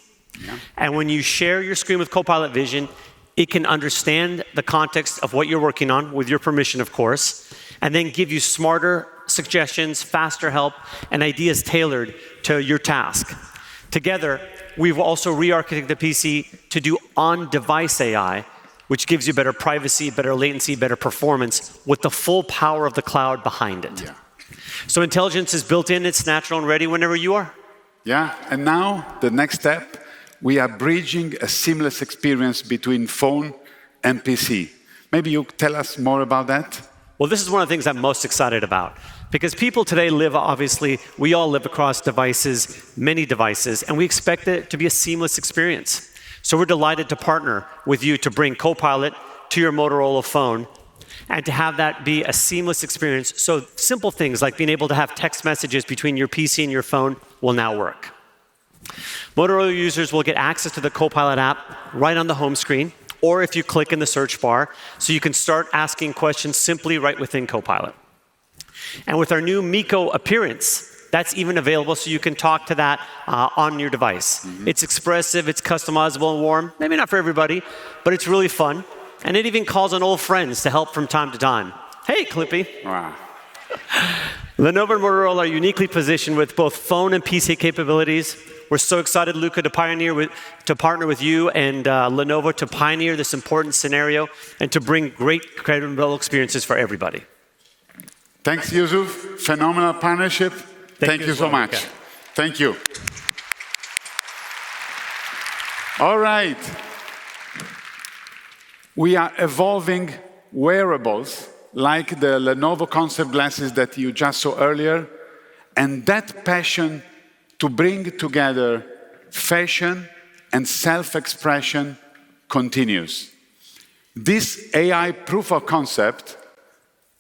And when you share your screen with Copilot Vision, it can understand the context of what you're working on with your permission, of course, and then give you smarter suggestions, faster help, and ideas tailored to your task. Together, we've also re-architected the PC to do on-device AI, which gives you better privacy, better latency, better performance with the full power of the cloud behind it. So intelligence is built in. It's natural and ready whenever you are. Yeah. And now the next step, we are bridging a seamless experience between phone and PC. Maybe you tell us more about that. This is one of the things I'm most excited about because people today live, obviously, we all live across devices, many devices, and we expect it to be a seamless experience. We're delighted to partner with you to bring Copilot to your Motorola phone and to have that be a seamless experience. Simple things like being able to have text messages between your PC and your phone will now work. Motorola users will get access to the Copilot app right on the home screen or if you click in the search bar, so you can start asking questions simply right within Copilot. With our new Miko appearance, that's even available so you can talk to that on your device. It's expressive. It's customizable and warm. Maybe not for everybody, but it's really fun. It even calls on old friends to help from time to time. Hey, Clippy. Wow. Lenovo and Motorola are uniquely positioned with both phone and PC capabilities. We're so excited, Luca, to partner with you and Lenovo to pioneer this important scenario and to bring great creative and real experiences for everybody. Thanks, Yusuf. Phenomenal partnership. Thank you so much. Thank you. All right. We are evolving wearables like the Lenovo Concept Glasses that you just saw earlier. That passion to bring together fashion and self-expression continues. This AI proof of concept,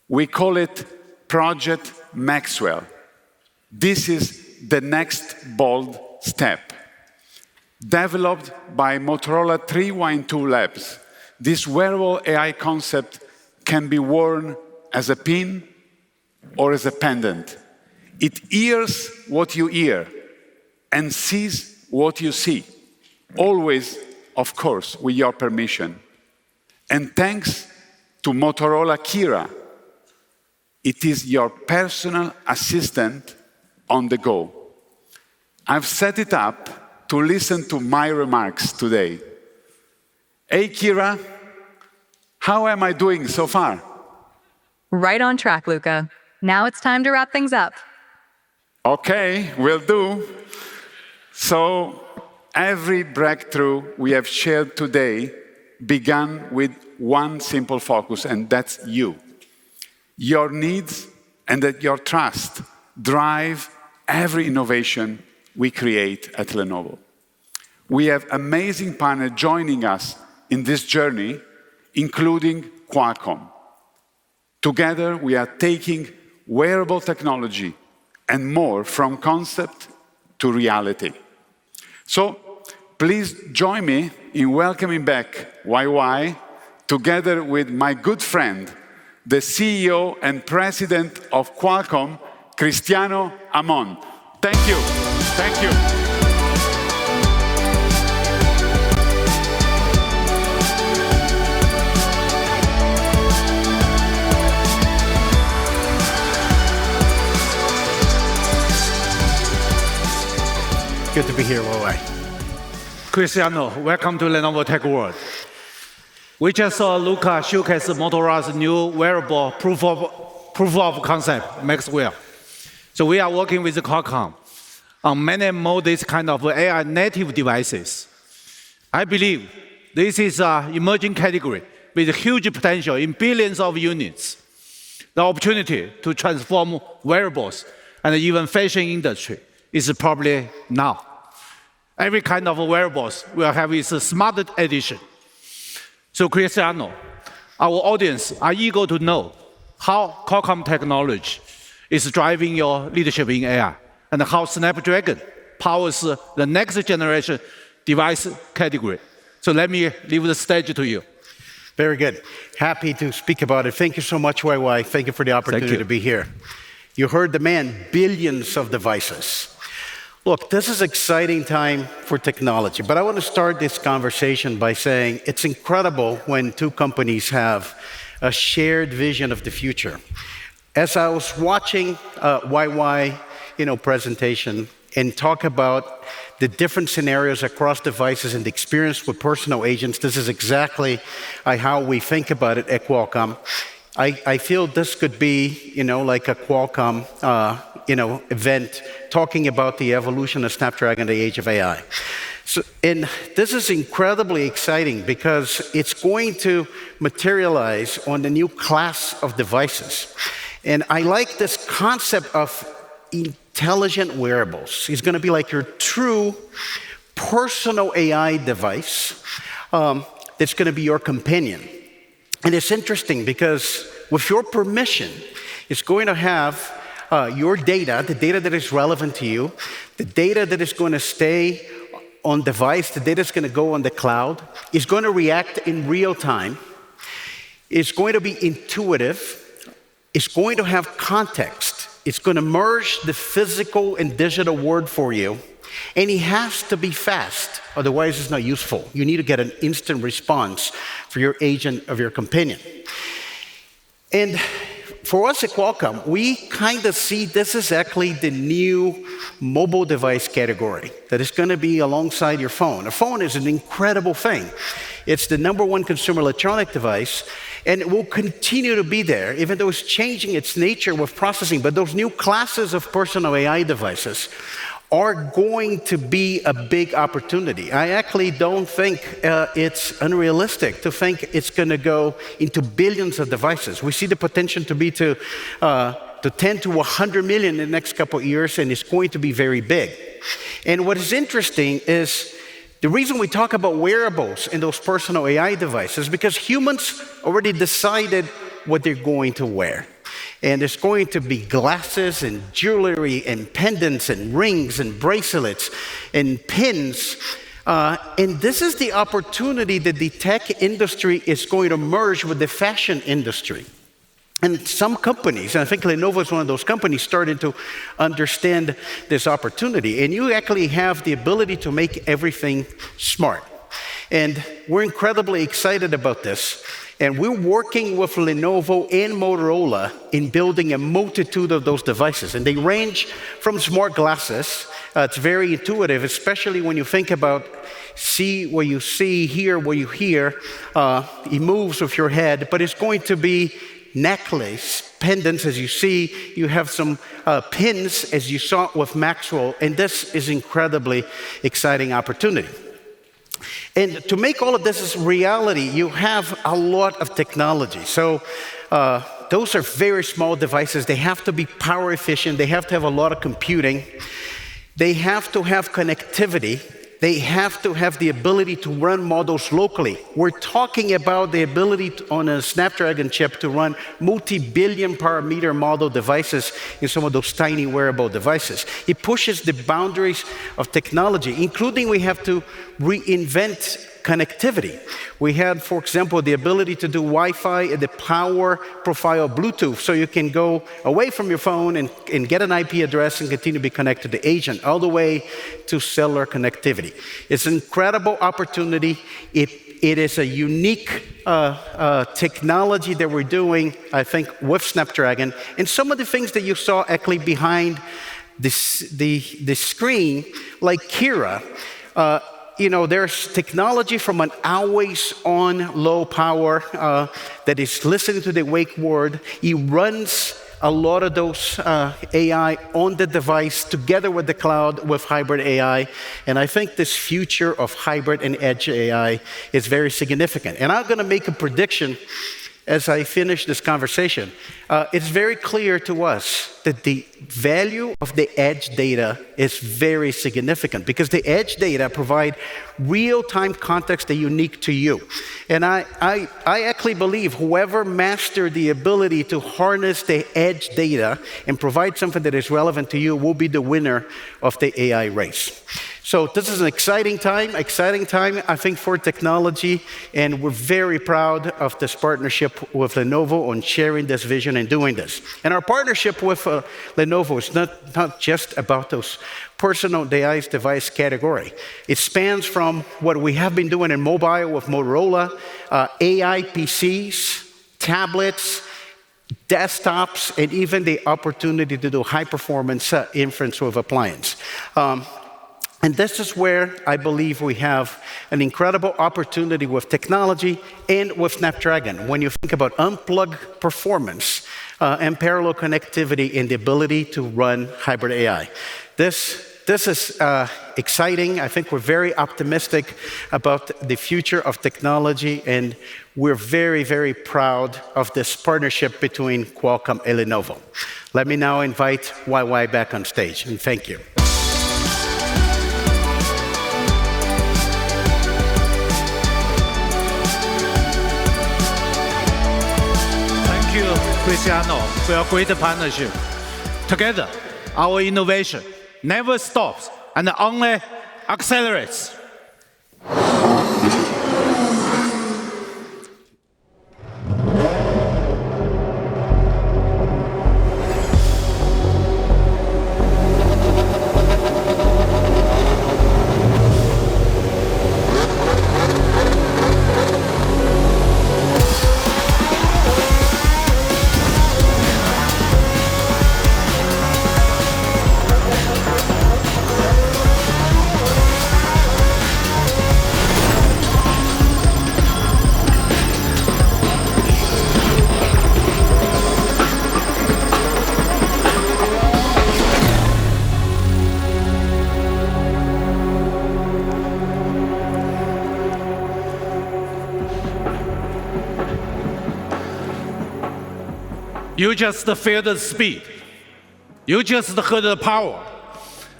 we call it Project Maxwell. This is the next bold step. Developed by Motorola 312 Labs, this wearable AI concept can be worn as a pin or as a pendant. It hears what you hear and sees what you see, always, of course, with your permission. Thanks to Motorola Qira, it is your personal assistant on the go. I've set it up to listen to my remarks today. Hey, Qira, how am I doing so far? Right on track, Luca. Now it's time to wrap things up. OK, will do. So every breakthrough we have shared today began with one simple focus, and that's you. Your needs and your trust drive every innovation we create at Lenovo. We have amazing partners joining us in this journey, including Qualcomm. Together, we are taking wearable technology and more from concept to reality. So please join me in welcoming back YY, together with my good friend, the CEO and President of Qualcomm, Cristiano Amon. Thank you. Thank you. Good to be here, YY. Cristiano, welcome to Lenovo Tech World. We just saw Luca showcase Motorola's new wearable proof of concept, Maxwell. So we are working with Qualcomm on many more of these kinds of AI-native devices. I believe this is an emerging category with huge potential in billions of units. The opportunity to transform wearables and even the fashion industry is probably now. Every kind of wearables will have its smart edition. So Cristiano, our audience are eager to know how Qualcomm technology is driving your leadership in AI and how Snapdragon powers the next generation device category. So let me leave the stage to you. Very good. Happy to speak about it. Thank you so much, YY. Thank you for the opportunity to be here. You heard the man, billions of devices. Look, this is an exciting time for technology. But I want to start this conversation by saying it's incredible when two companies have a shared vision of the future. As I was watching YY's presentation and talk about the different scenarios across devices and the experience with personal agents, this is exactly how we think about it at Qualcomm. I feel this could be like a Qualcomm event talking about the evolution of Snapdragon and the age of AI. This is incredibly exciting because it's going to materialize on the new class of devices. I like this concept of intelligent wearables. It's going to be like your true personal AI device that's going to be your companion. It's interesting because with your permission, it's going to have your data, the data that is relevant to you, the data that is going to stay on device, the data that's going to go on the cloud. It is going to react in real time, is going to be intuitive, is going to have context, is going to merge the physical and digital world for you. It has to be fast. Otherwise, it's not useful. You need to get an instant response for your agent or your companion. For us at Qualcomm, we kind of see this as actually the new mobile device category that is going to be alongside your phone. A phone is an incredible thing. It's the number one consumer electronic device. And it will continue to be there, even though it's changing its nature with processing. But those new classes of personal AI devices are going to be a big opportunity. I actually don't think it's unrealistic to think it's going to go into billions of devices. We see the potential to be 10 million to 100 million in the next couple of years. And it's going to be very big. And what is interesting is the reason we talk about wearables and those personal AI devices is because humans already decided what they're going to wear. And it's going to be glasses and jewelry and pendants and rings and bracelets and pins. This is the opportunity that the tech industry is going to merge with the fashion industry. Some companies, and I think Lenovo is one of those companies, started to understand this opportunity. You actually have the ability to make everything smart. We're incredibly excited about this. We're working with Lenovo and Motorola in building a multitude of those devices. They range from smart glasses. It's very intuitive, especially when you think about see where you see, hear where you hear. It moves with your head. But it's going to be necklace, pendants, as you see. You have some pins, as you saw with Maxwell. This is an incredibly exciting opportunity. To make all of this a reality, you have a lot of technology. Those are very small devices. They have to be power efficient. They have to have a lot of computing. They have to have connectivity. They have to have the ability to run models locally. We're talking about the ability on a Snapdragon chip to run multi-billion parameter model devices in some of those tiny wearable devices. It pushes the boundaries of technology, including we have to reinvent connectivity. We have, for example, the ability to do Wi-Fi and the power profile Bluetooth. So you can go away from your phone and get an IP address and continue to be connected to the agent all the way to cellular connectivity. It's an incredible opportunity. It is a unique technology that we're doing, I think, with Snapdragon. And some of the things that you saw actually behind the screen, like Qira, there's technology from an always-on low power that is listening to the wake word. It runs a lot of those AI on the device together with the cloud, with hybrid AI. And I think this future of hybrid and edge AI is very significant. And I'm going to make a prediction as I finish this conversation. It's very clear to us that the value of the edge data is very significant because the edge data provide real-time context that's unique to you. And I actually believe whoever mastered the ability to harness the edge data and provide something that is relevant to you will be the winner of the AI race. So this is an exciting time, exciting time, I think, for technology. And we're very proud of this partnership with Lenovo on sharing this vision and doing this. And our partnership with Lenovo is not just about those personal device category. It spans from what we have been doing in mobile with Motorola, AI PCs, tablets, desktops, and even the opportunity to do high-performance inference with appliance. And this is where I believe we have an incredible opportunity with technology and with Snapdragon when you think about unplugged performance and parallel connectivity and the ability to run hybrid AI. This is exciting. I think we're very optimistic about the future of technology. And we're very, very proud of this partnership between Qualcomm and Lenovo. Let me now invite YY back on stage. And thank you. Thank you, Cristiano, for your great partnership. Together, our innovation never stops and only accelerates. You just feel the speed. You just feel the power.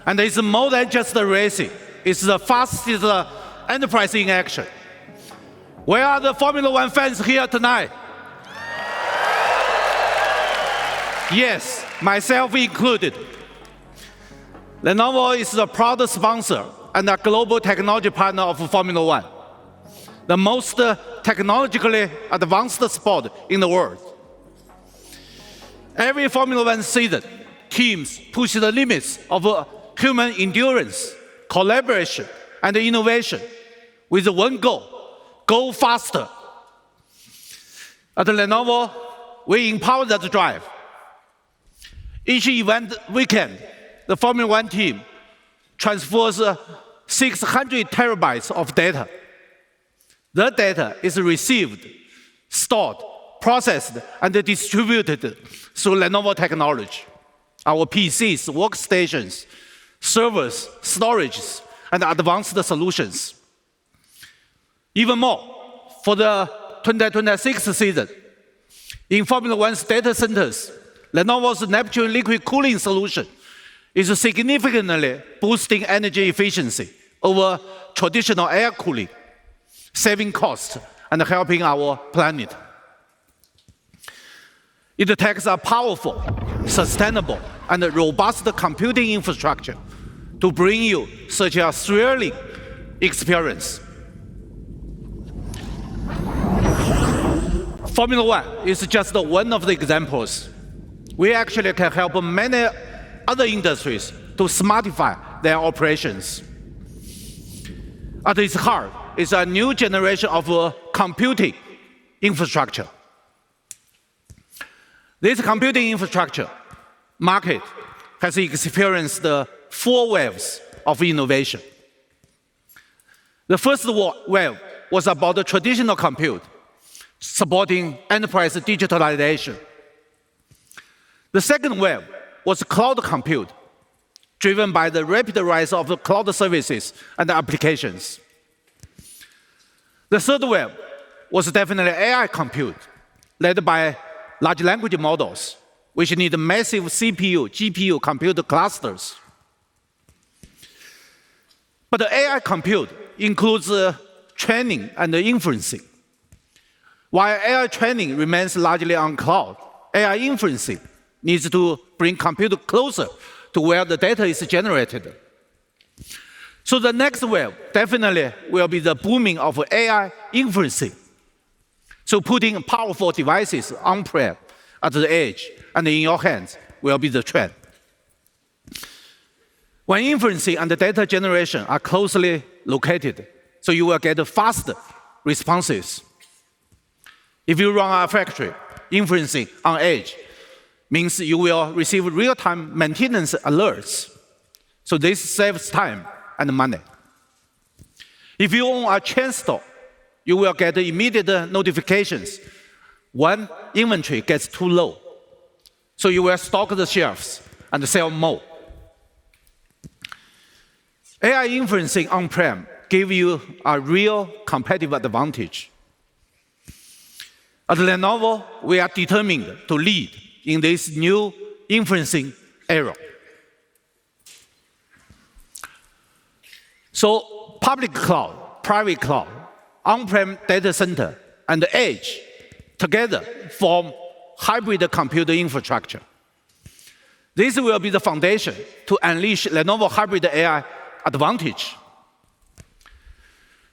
And it's more than just racing. It's the fastest enterprise in action. Where are the Formula 1 fans here tonight? Yes, myself included. Lenovo is the proudest sponsor and a global technology partner of Formula 1, the most technologically advanced sport in the world. Every Formula 1 season, teams push the limits of human endurance, collaboration, and innovation with one goal: go faster. At Lenovo, we empower that drive. Each event weekend, the Formula 1 team transfers 600 TB of data. The data is received, stored, processed, and distributed through Lenovo technology: our PCs, workstations, servers, storage, and advanced solutions. Even more, for the 2026 season, in Formula 1's data centers, Lenovo's Neptune liquid-cooled servers is significantly boosting energy efficiency over traditional air cooling, saving costs, and helping our planet. It takes a powerful, sustainable, and robust computing infrastructure to bring you such a thrilling experience. Formula 1 is just one of the examples. We actually can help many other industries to smartify their operations. At its heart is a new generation of computing infrastructure. This computing infrastructure market has experienced four waves of innovation. The first wave was about traditional compute supporting enterprise digitalization. The second wave was cloud compute, driven by the rapid rise of cloud services and applications. The third wave was definitely AI compute, led by large language models, which need massive CPU, GPU compute clusters. But AI compute includes training and inferencing. While AI training remains largely on cloud, AI inferencing needs to bring compute closer to where the data is generated. So the next wave definitely will be the booming of AI inferencing. So putting powerful devices on-prem at the edge and in your hands will be the trend. When inferencing and the data generation are closely located, so you will get faster responses. If you run a factory, inferencing on edge means you will receive real-time maintenance alerts. So this saves time and money. If you own a chain store, you will get immediate notifications when inventory gets too low. So you will stock the shelves and sell more. AI inferencing on-prem gives you a real competitive advantage. At Lenovo, we are determined to lead in this new inferencing era. So public cloud, private cloud, on-prem data center, and the edge together form hybrid computer infrastructure. This will be the foundation to unleash Lenovo Hybrid AI Advantage.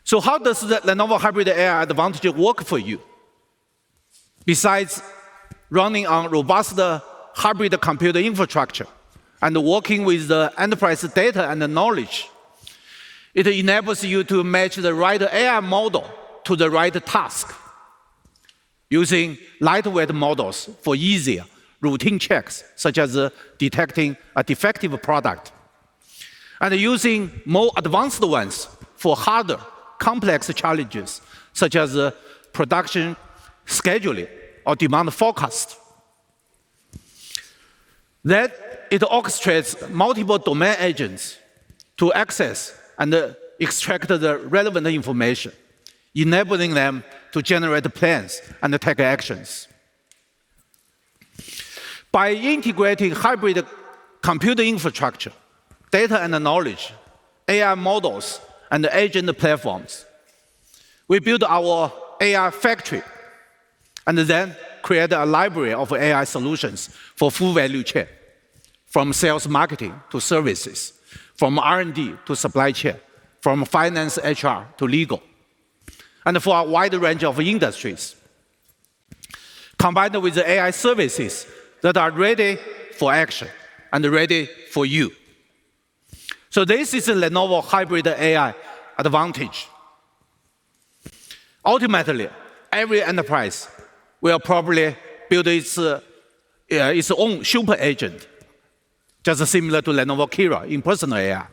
So how does the Lenovo Hybrid AI Advantage work for you? Besides running on robust hybrid computer infrastructure and working with the enterprise data and the knowledge, it enables you to match the right AI model to the right task using lightweight models for easier routine checks, such as detecting a defective product, and using more advanced ones for harder, complex challenges, such as production scheduling or demand forecast. Then it orchestrates multiple domain agents to access and extract the relevant information, enabling them to generate plans and take actions. By integrating hybrid computer infrastructure, data and knowledge, AI models, and agent platforms, we build our AI factory and then create a library of AI solutions for full value chain, from sales marketing to services, from R&D to supply chain, from finance HR to legal, and for a wide range of industries, combined with the AI services that are ready for action and ready for you. So this is a Lenovo Hybrid AI Advantage. Ultimately, every enterprise will probably build its own super agent, just similar to Lenovo Qira in personal AI.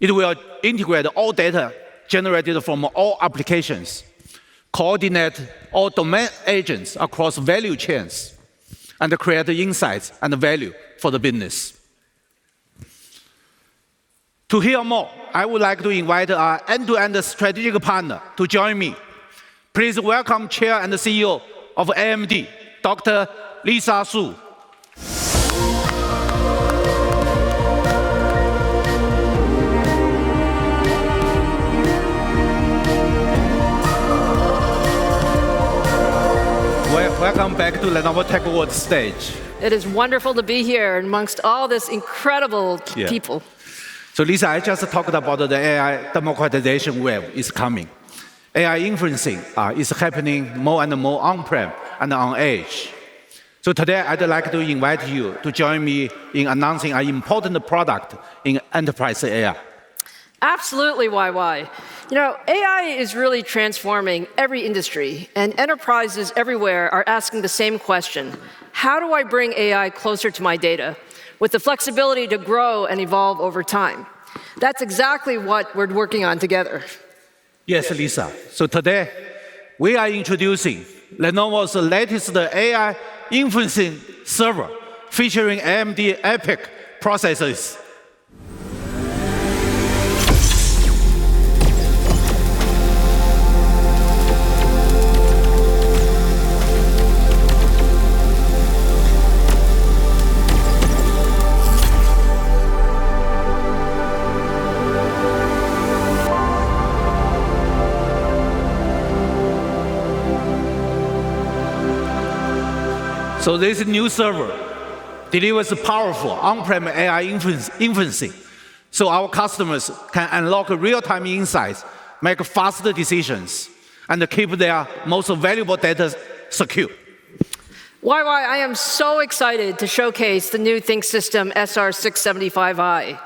It will integrate all data generated from all applications, coordinate all domain agents across value chains, and create insights and value for the business. To hear more, I would like to invite our end-to-end strategic partner to join me. Please welcome Chair and CEO of AMD, Dr. Lisa Su. Welcome back to Lenovo Tech World stage. It is wonderful to be here amongst all this incredible people. So Lisa, I just talked about the AI democratization wave is coming. AI inferencing is happening more and more on-prem and on edge. So today, I'd like to invite you to join me in announcing our important product in enterprise AI. Absolutely, YY. AI is really transforming every industry. And enterprises everywhere are asking the same question: How do I bring AI closer to my data with the flexibility to grow and evolve over time? That's exactly what we're working on together. Yes, Lisa. So today, we are introducing Lenovo's latest AI inferencing server featuring AMD EPYC processors. So this new server delivers powerful on-prem AI inferencing so our customers can unlock real-time insights, make faster decisions, and keep their most valuable data secure. YY, I am so excited to showcase the new ThinkSystem SR675i.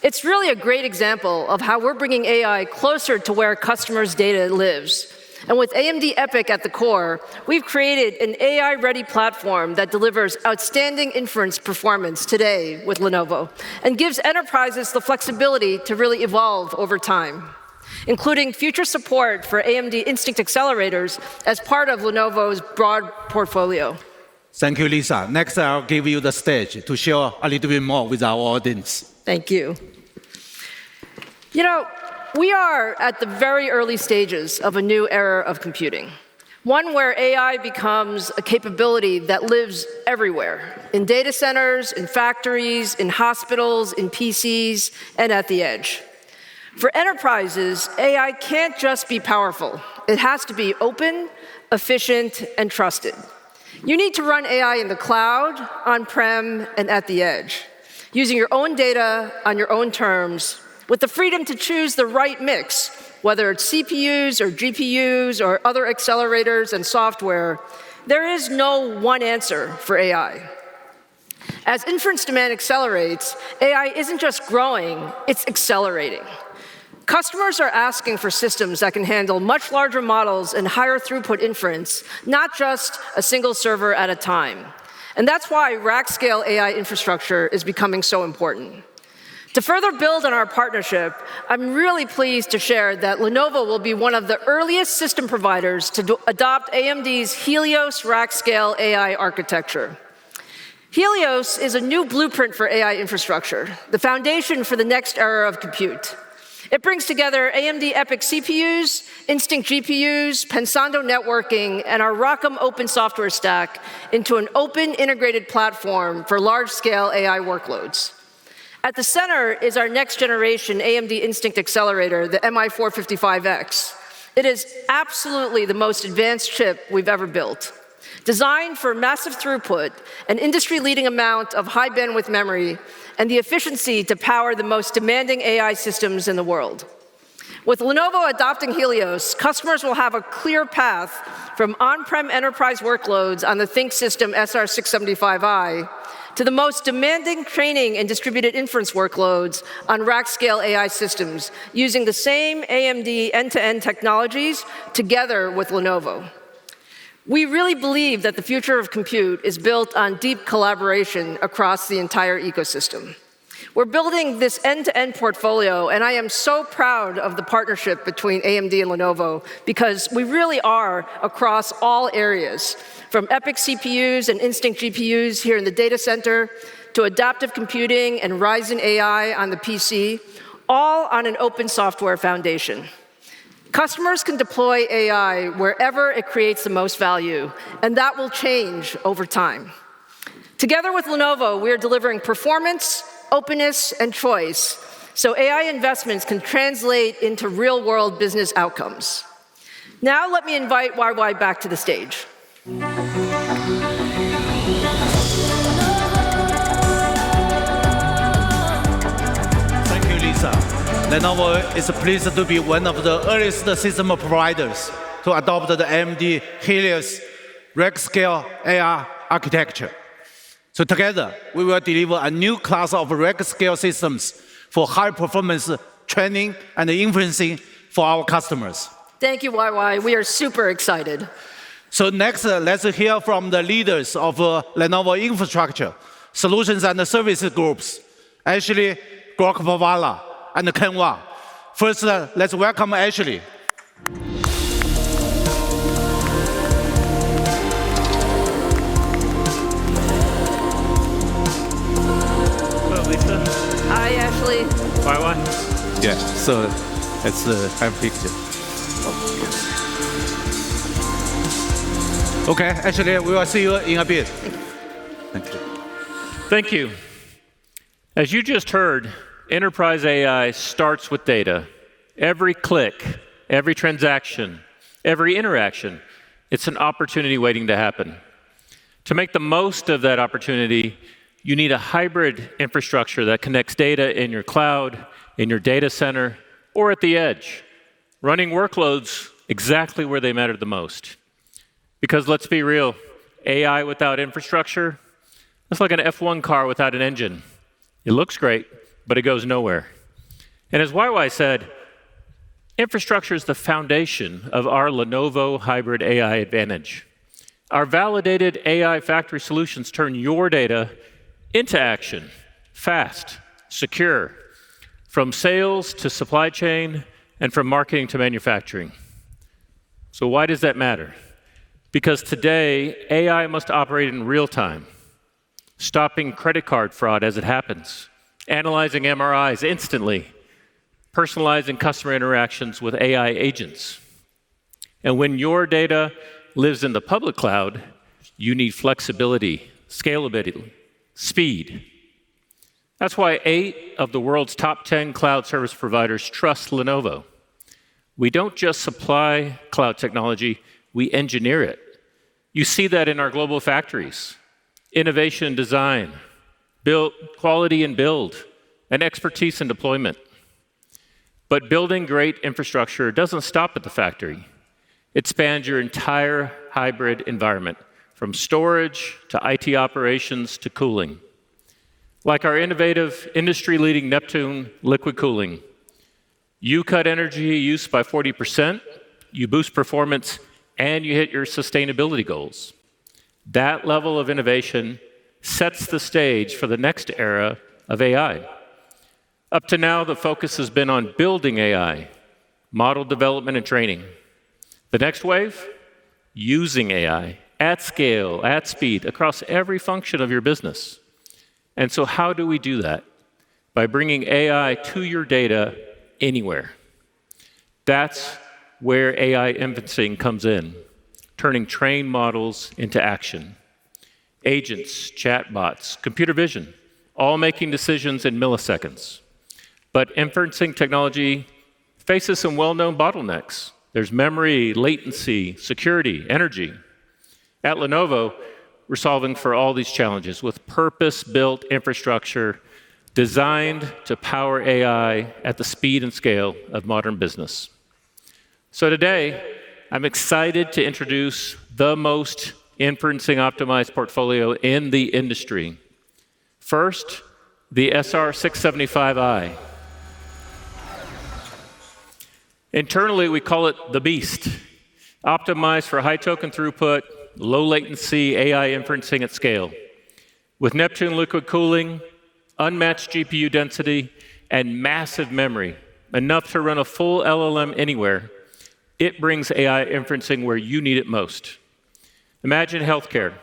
It's really a great example of how we're bringing AI closer to where customers' data lives. And with AMD EPYC at the core, we've created an AI-ready platform that delivers outstanding inference performance today with Lenovo and gives enterprises the flexibility to really evolve over time, including future support for AMD Instinct accelerators as part of Lenovo's broad portfolio. Thank you, Lisa. Next, I'll give you the stage to share a little bit more with our audience. Thank you. You know, we are at the very early stages of a new era of computing, one where AI becomes a capability that lives everywhere: in data centers, in factories, in hospitals, in PCs, and at the edge. For enterprises, AI can't just be powerful. It has to be open, efficient, and trusted. You need to run AI in the cloud, on-prem, and at the edge, using your own data on your own terms, with the freedom to choose the right mix, whether it's CPUs or GPUs or other accelerators and software. There is no one answer for AI. As inference demand accelerates, AI isn't just growing. It's accelerating. Customers are asking for systems that can handle much larger models and higher throughput inference, not just a single server at a time. And that's why rack-scale AI infrastructure is becoming so important. To further build on our partnership, I'm really pleased to share that Lenovo will be one of the earliest system providers to adopt AMD's Helios rack-scale AI architecture. Helios is a new blueprint for AI infrastructure, the foundation for the next era of compute. It brings together AMD EPYC CPUs, Instinct GPUs, Pensando networking, and our ROCm open software stack into an open integrated platform for large-scale AI workloads. At the center is our next-generation AMD Instinct accelerator, the MI455X. It is absolutely the most advanced chip we've ever built, designed for massive throughput, an industry-leading amount of high bandwidth memory, and the efficiency to power the most demanding AI systems in the world. With Lenovo adopting Helios, customers will have a clear path from on-prem enterprise workloads on the ThinkSystem SR675i to the most demanding training and distributed inference workloads on rack-scale AI systems, using the same AMD end-to-end technologies together with Lenovo. We really believe that the future of compute is built on deep collaboration across the entire ecosystem. We're building this end-to-end portfolio, and I am so proud of the partnership between AMD and Lenovo because we really are across all areas, from EPYC CPUs and Instinct GPUs here in the data center to adaptive computing and Ryzen AI on the PC, all on an open software foundation. Customers can deploy AI wherever it creates the most value, and that will change over time. Together with Lenovo, we are delivering performance, openness, and choice so AI investments can translate into real-world business outcomes. Now let me invite YY back to the stage. Thank you, Lisa. Lenovo is pleased to be one of the earliest system providers to adopt the AMD Helios rack-scale AI architecture, so together, we will deliver a new class of rack-scale systems for high-performance training and inferencing for our customers. Thank you, YY. We are super excited. Next, let's hear from the leaders of Lenovo Infrastructure Solutions and Services Groups, Ashley Gorakhpurwalla and Ken Wong. First, let's welcome Ashley. Hello, Lisa. Hi, Ashley. Hi, YY. Yeah, so it's a handoff here. Okay, Ashley, we will see you in a bit. Thank you. As you just heard, enterprise AI starts with data. Every click, every transaction, every interaction, it's an opportunity waiting to happen. To make the most of that opportunity, you need a hybrid infrastructure that connects data in your cloud, in your data center, or at the edge, running workloads exactly where they matter the most. Because let's be real, AI without infrastructure, it's like an F1 car without an engine. It looks great, but it goes nowhere. And as YY said, infrastructure is the foundation of our Lenovo Hybrid AI Advantage. Our validated AI factory solutions turn your data into action fast, secure, from sales to supply chain and from marketing to manufacturing. So why does that matter? Because today, AI must operate in real time, stopping credit card fraud as it happens, analyzing MRIs instantly, personalizing customer interactions with AI agents. And when your data lives in the public cloud, you need flexibility, scalability, speed. That's why eight of the world's top 10 cloud service providers trust Lenovo. We don't just supply cloud technology. We engineer it. You see that in our global factories: innovation and design, build quality and build, and expertise and deployment. But building great infrastructure doesn't stop at the factory. It spans your entire hybrid environment, from storage to IT operations to cooling. Like our innovative industry-leading Neptune liquid cooling, you cut energy use by 40%, you boost performance, and you hit your sustainability goals. That level of innovation sets the stage for the next era of AI. Up to now, the focus has been on building AI, model development, and training. The next wave? Using AI at scale, at speed, across every function of your business. So how do we do that? By bringing AI to your data anywhere. That's where AI inferencing comes in, turning trained models into action. Agents, chatbots, computer vision, all making decisions in milliseconds. But inferencing technology faces some well-known bottlenecks. There's memory, latency, security, energy. At Lenovo, we're solving for all these challenges with purpose-built infrastructure designed to power AI at the speed and scale of modern business. So today, I'm excited to introduce the most inferencing-optimized portfolio in the industry. First, the SR675i. Internally, we call it the beast, optimized for high token throughput, low latency, AI inferencing at scale. With Neptune liquid cooling, unmatched GPU density, and massive memory, enough to run a full LLM anywhere, it brings AI inferencing where you need it most. Imagine healthcare.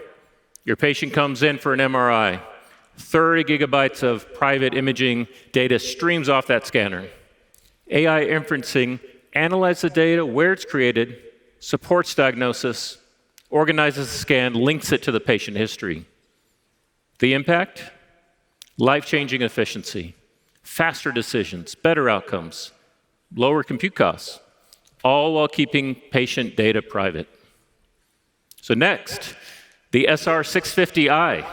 Your patient comes in for an MRI. 30 GB of private imaging data streams off that scanner. AI inferencing analyzes the data where it's created, supports diagnosis, organizes the scan, links it to the patient history. The impact? Life-changing efficiency, faster decisions, better outcomes, lower compute costs, all while keeping patient data private. So next, the SR650i.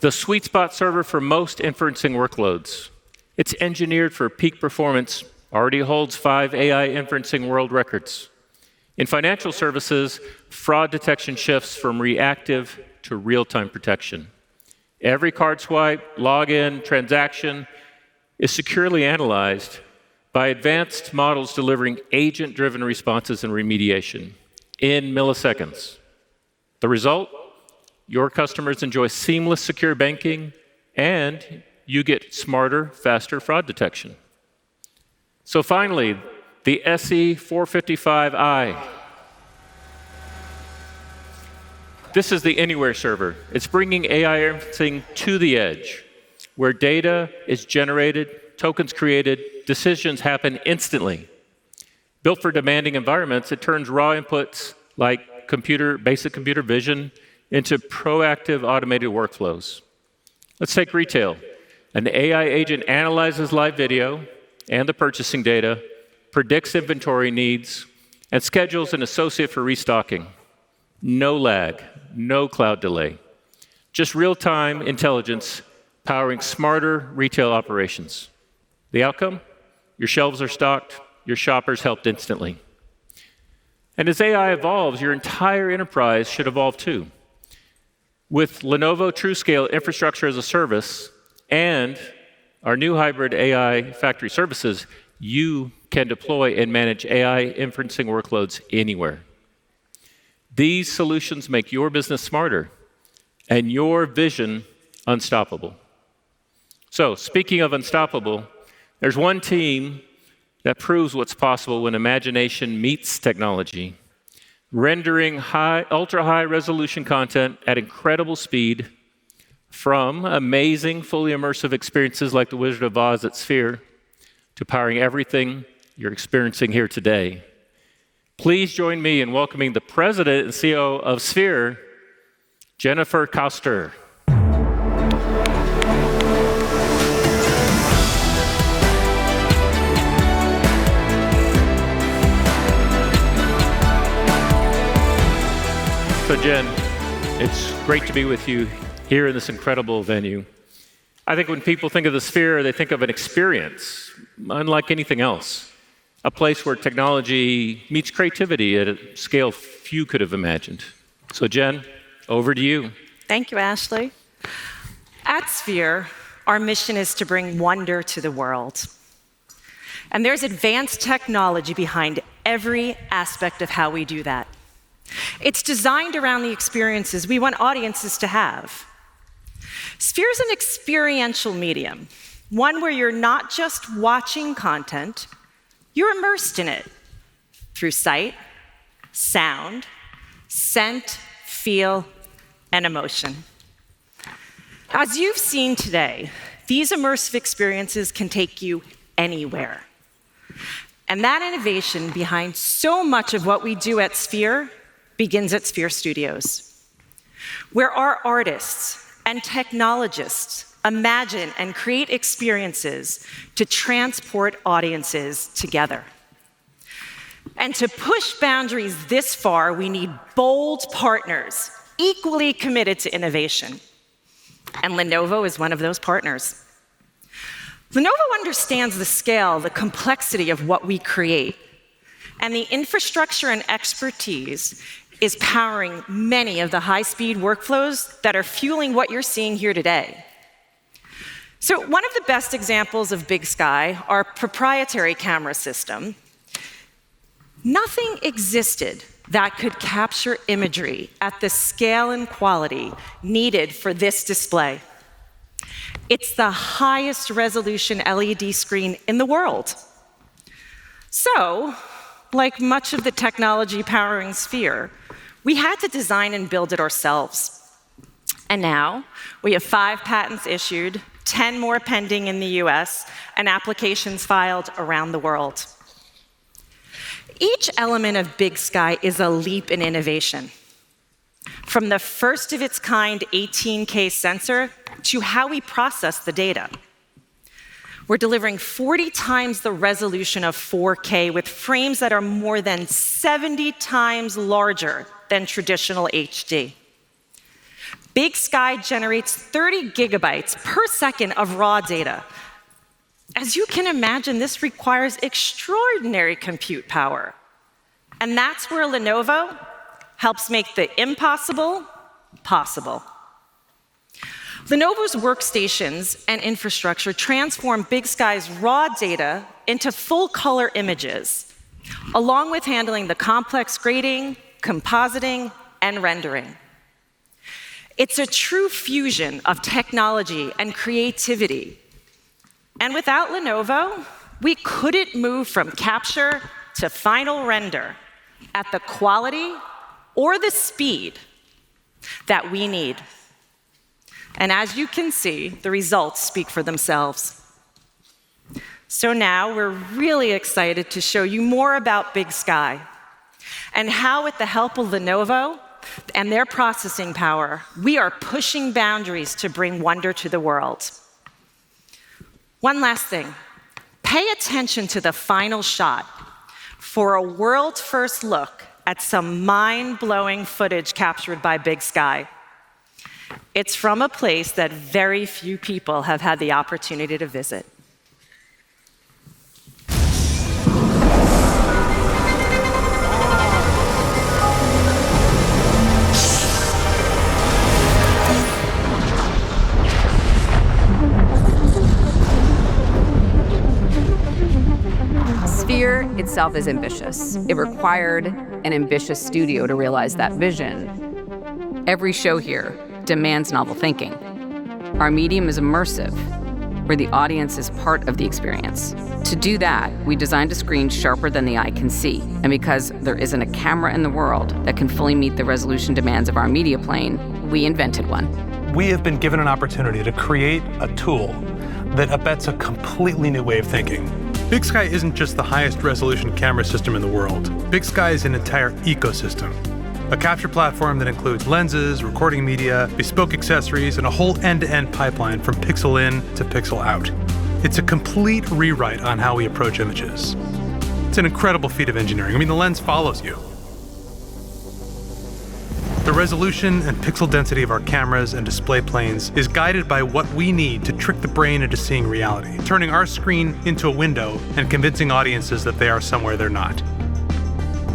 The sweet spot server for most inferencing workloads. It's engineered for peak performance, already holds five AI inferencing world records. In financial services, fraud detection shifts from reactive to real-time protection. Every card swipe, login, transaction is securely analyzed by advanced models delivering agent-driven responses and remediation in milliseconds. The result? Your customers enjoy seamless, secure banking, and you get smarter, faster fraud detection. So finally, the SE455i. This is the anywhere server. It's bringing AI inferencing to the edge, where data is generated, tokens created, decisions happen instantly. Built for demanding environments, it turns raw inputs like compute, basic computer vision, into proactive automated workflows. Let's take retail. An AI agent analyzes live video and the purchasing data, predicts inventory needs, and schedules an associate for restocking. No lag, no cloud delay. Just real-time intelligence powering smarter retail operations. The outcome? Your shelves are stocked, your shoppers helped instantly. And as AI evolves, your entire enterprise should evolve too. With Lenovo TruScale Infrastructure as a Service and our new hybrid AI factory services, you can deploy and manage AI inferencing workloads anywhere. These solutions make your business smarter and your vision unstoppable. So speaking of unstoppable, there's one team that proves what's possible when imagination meets technology, rendering ultra-high resolution content at incredible speed from amazing fully immersive experiences like the Wizard of Oz at Sphere to powering everything you're experiencing here today. Please join me in welcoming the President and COO of Sphere, Jennifer Koester. So Jen, it's great to be with you here in this incredible venue. I think when people think of the Sphere, they think of an experience unlike anything else, a place where technology meets creativity at a scale few could have imagined. So Jen, over to you. Thank you, Ashley. At Sphere, our mission is to bring wonder to the world. And there's advanced technology behind every aspect of how we do that. It's designed around the experiences we want audiences to have. Sphere is an experiential medium, one where you're not just watching content, you're immersed in it through sight, sound, scent, feel, and emotion. As you've seen today, these immersive experiences can take you anywhere. And that innovation behind so much of what we do at Sphere begins at Sphere Studios, where our artists and technologists imagine and create experiences to transport audiences together. And to push boundaries this far, we need bold partners equally committed to innovation. And Lenovo is one of those partners. Lenovo understands the scale, the complexity of what we create, and the infrastructure and expertise is powering many of the high-speed workflows that are fueling what you're seeing here today, so one of the best examples of Big Sky is our proprietary camera system. Nothing existed that could capture imagery at the scale and quality needed for this display. It's the highest resolution LED screen in the world, so, like much of the technology powering Sphere, we had to design and build it ourselves, and now we have five patents issued, 10 more pending in the U.S., and applications filed around the world. Each element of Big Sky is a leap in innovation. From the first-of-its-kind 18K sensor to how we process the data, we're delivering 40x the resolution of 4K with frames that are more than 70x larger than traditional HD. Big Sky generates 30 GB per second of raw data. As you can imagine, this requires extraordinary compute power, and that's where Lenovo helps make the impossible possible. Lenovo's workstations and infrastructure transform Big Sky's raw data into full-color images, along with handling the complex grading, compositing, and rendering. It's a true fusion of technology and creativity, and without Lenovo, we couldn't move from capture to final render at the quality or the speed that we need. And as you can see, the results speak for themselves, so now we're really excited to show you more about Big Sky and how, with the help of Lenovo and their processing power, we are pushing boundaries to bring wonder to the world. One last thing. Pay attention to the final shot for a world-first look at some mind-blowing footage captured by Big Sky. It's from a place that very few people have had the opportunity to visit. Sphere itself is ambitious. It required an ambitious studio to realize that vision. Every show here demands novel thinking. Our medium is immersive, where the audience is part of the experience. To do that, we designed a screen sharper than the eye can see. And because there isn't a camera in the world that can fully meet the resolution demands of our media plane, we invented one. We have been given an opportunity to create a tool that abets a completely new way of thinking. Big Sky isn't just the highest resolution camera system in the world. Big Sky is an entire ecosystem, a capture platform that includes lenses, recording media, bespoke accessories, and a whole end-to-end pipeline from pixel in to pixel out. It's a complete rewrite on how we approach images. It's an incredible feat of engineering. I mean, the lens follows you. The resolution and pixel density of our cameras and display planes is guided by what we need to trick the brain into seeing reality, turning our screen into a window and convincing audiences that they are somewhere they're not.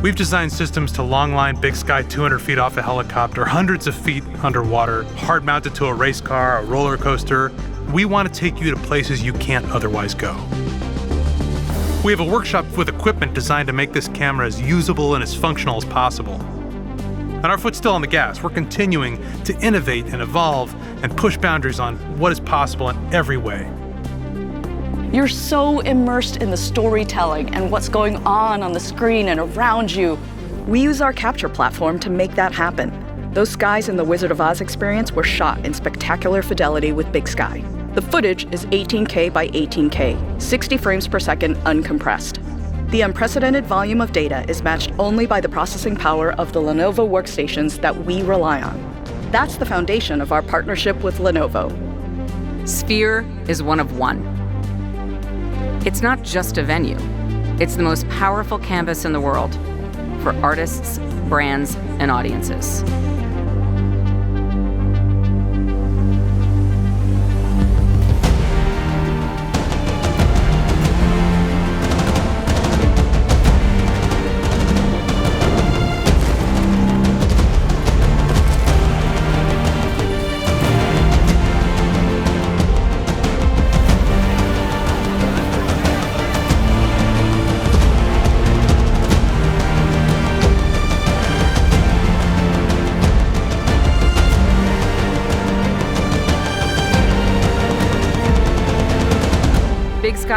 We've designed systems to long line Big Sky 200 feet off a helicopter, hundreds of feet underwater, hard mounted to a race car, a roller coaster. We want to take you to places you can't otherwise go. We have a workshop with equipment designed to make this camera as usable and as functional as possible, and our foot's still on the gas. We're continuing to innovate and evolve and push boundaries on what is possible in every way. You're so immersed in the storytelling and what's going on on the screen and around you. We use our capture platform to make that happen. Those skies in the Wizard of Oz experience were shot in spectacular fidelity with Big Sky. The footage is 18K by 18K, 60 frames per second uncompressed. The unprecedented volume of data is matched only by the processing power of the Lenovo workstations that we rely on. That's the foundation of our partnership with Lenovo. Sphere is one of one. It's not just a venue. It's the most powerful canvas in the world for artists, brands, and audiences.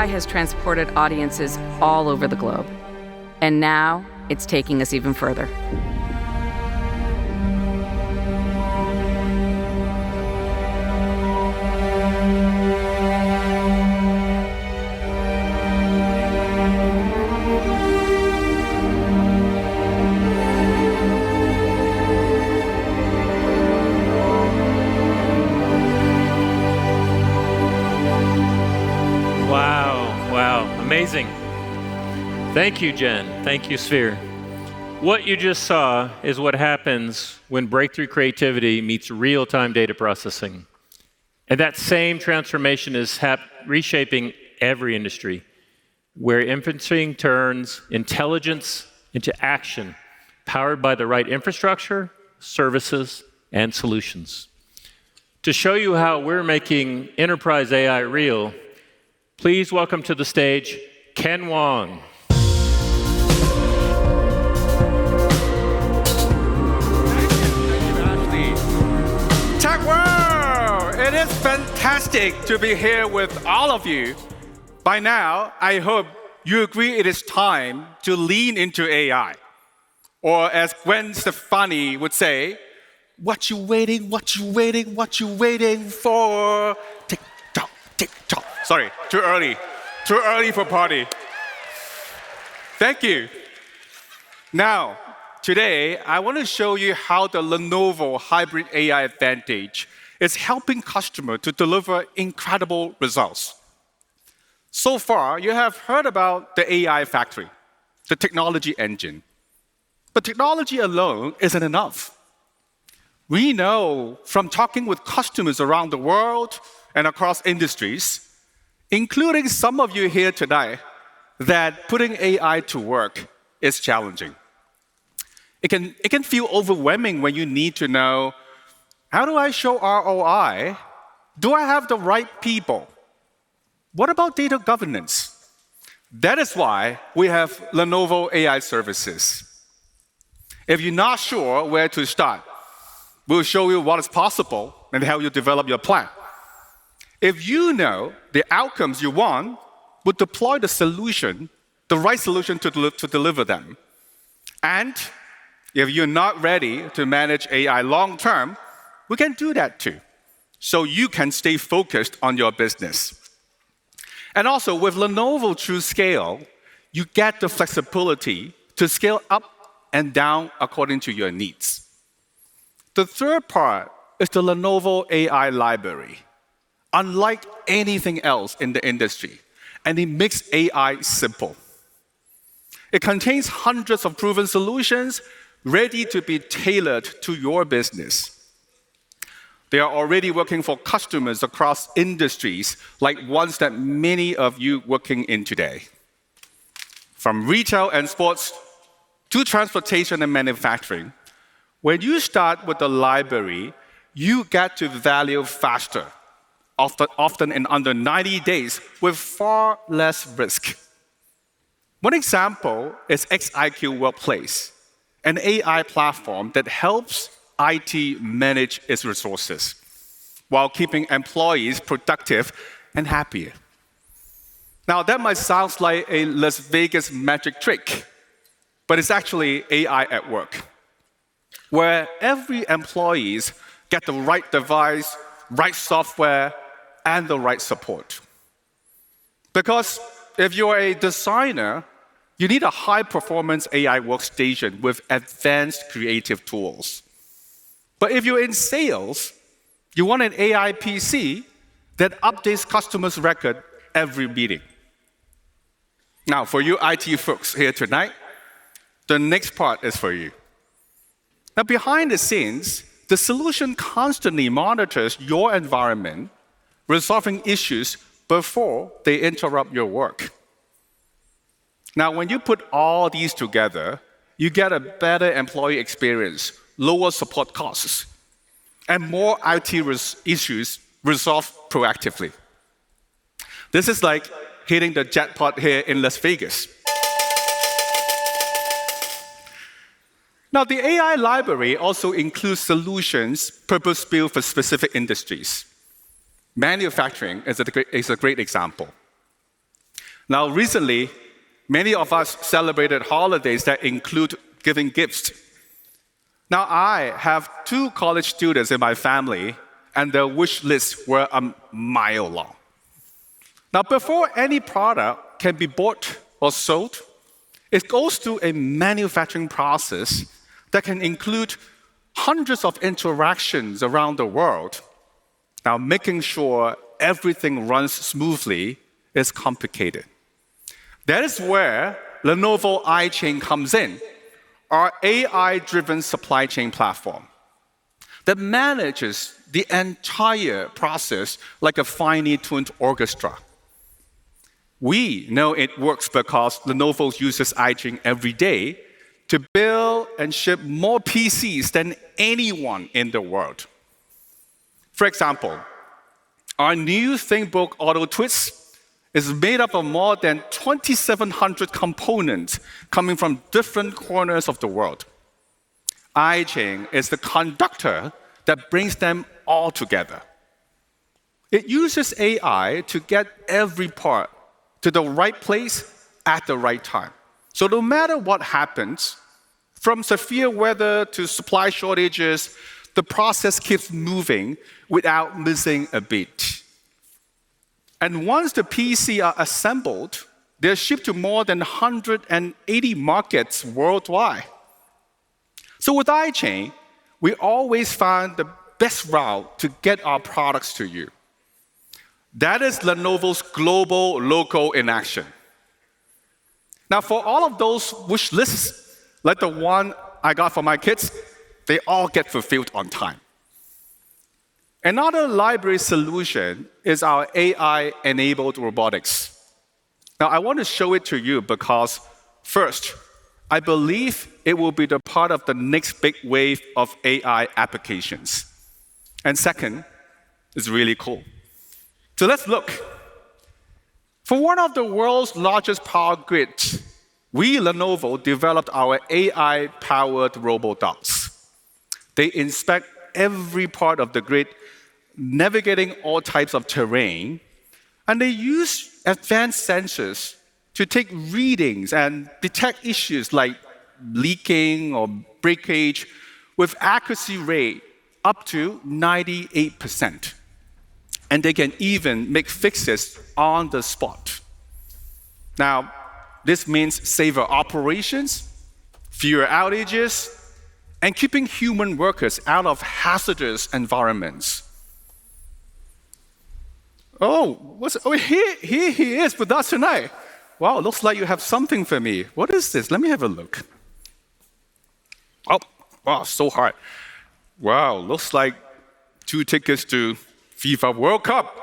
Big Sky has transported audiences all over the globe, and now it's taking us even further. Wow, wow. Amazing. Thank you, Jen. Thank you, Sphere. What you just saw is what happens when breakthrough creativity meets real-time data processing, and that same transformation is reshaping every industry where inferencing turns intelligence into action powered by the right infrastructure, services, and solutions. To show you how we're making enterprise AI real, please welcome to the stage Ken Wong. Ken Wong, it is fantastic to be here with all of you. By now, I hope you agree it is time to lean into AI. Or as Gwen Stefani would say, "What you waiting, what you waiting, what you waiting for?" Tick tock, tick tock. Sorry, too early. Too early for party. Thank you. Now, today, I want to show you how the Lenovo Hybrid AI Advantage is helping customers to deliver incredible results. So far, you have heard about the AI factory, the technology engine. But technology alone isn't enough. We know from talking with customers around the world and across industries, including some of you here today, that putting AI to work is challenging. It can feel overwhelming when you need to know, "How do I show ROI? Do I have the right people? What about data governance?" That is why we have Lenovo AI Services. If you're not sure where to start, we'll show you what is possible and how you develop your plan. If you know the outcomes you want, we'll deploy the solution, the right solution to deliver them. And if you're not ready to manage AI long term, we can do that too, so you can stay focused on your business. And also, with Lenovo TruScale, you get the flexibility to scale up and down according to your needs. The third part is the Lenovo AI Library. Unlike anything else in the industry, it makes AI simple. It contains hundreds of proven solutions ready to be tailored to your business. They are already working for customers across industries like ones that many of you are working in today. From retail and sports to transportation and manufacturing, when you start with the library, you get to value faster, often in under 90 days, with far less risk. One example is xIQ Workplace, an AI platform that helps IT manage its resources while keeping employees productive and happy. Now, that might sound like a Las Vegas magic trick, but it's actually AI at work, where every employee gets the right device, right software, and the right support. Because if you're a designer, you need a high-performance AI workstation with advanced creative tools. But if you're in sales, you want an AI PC that updates customers' records every meeting. Now, for you IT folks here tonight, the next part is for you. Now, behind the scenes, the solution constantly monitors your environment, resolving issues before they interrupt your work. Now, when you put all these together, you get a better employee experience, lower support costs, and more IT issues resolved proactively. This is like hitting the jackpot here in Las Vegas. Now, the AI Library also includes solutions purpose-built for specific industries. Manufacturing is a great example. Now, recently, many of us celebrated holidays that include giving gifts. Now, I have two college students in my family, and their wish lists were a mile long. Now, before any product can be bought or sold, it goes through a manufacturing process that can include hundreds of interactions around the world. Now, making sure everything runs smoothly is complicated. That is where Lenovo iChain comes in, our AI-driven supply chain platform that manages the entire process like a finely tuned orchestra. We know it works because Lenovo uses iChain every day to build and ship more PCs than anyone in the world. For example, our new ThinkBook Auto Twist is made up of more than 2,700 components coming from different corners of the world. iChain is the conductor that brings them all together. It uses AI to get every part to the right place at the right time. So no matter what happens, from severe weather to supply shortages, the process keeps moving without missing a beat. And once the PCs are assembled, they're shipped to more than 180 markets worldwide. So with iChain, we always find the best route to get our products to you. That is Lenovo's global local in action. Now, for all of those wish lists, like the one I got for my kids, they all get fulfilled on time. Another library solution is our AI-enabled robotics. Now, I want to show it to you because, first, I believe it will be part of the next big wave of AI applications, and second, it's really cool, so let's look. For one of the world's largest power grids, we at Lenovo developed our AI-powered robot dogs. They inspect every part of the grid, navigating all types of terrain, and they use advanced sensors to take readings and detect issues like leaking or breakage with accuracy rates up to 98%, and they can even make fixes on the spot. Now, this means safer operations, fewer outages, and keeping human workers out of hazardous environments. Oh, here he is with us tonight. Wow, it looks like you have something for me. What is this? Let me have a look. Oh, wow, so hot. Wow, looks like two tickets to FIFA World Cup.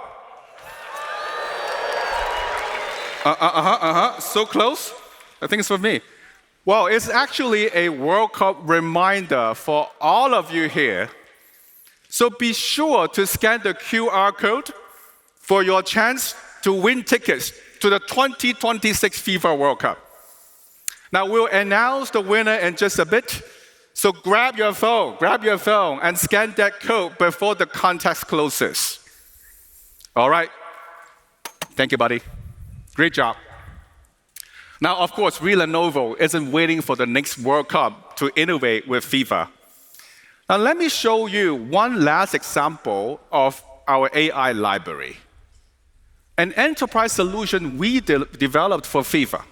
Uh-uh-uh-uh-uh, so close. I think it's for me. Well, it's actually a World Cup reminder for all of you here. So be sure to scan the QR code for your chance to win tickets to the 2026 FIFA World Cup. Now, we'll announce the winner in just a bit. So grab your phone, grab your phone, and scan that code before the contest closes. All right. Thank you, buddy. Great job. Now, of course, we at Lenovo are waiting for the next World Cup to innovate with FIFA. Now, let me show you one last example of our AI library, an enterprise solution we developed for FIFA.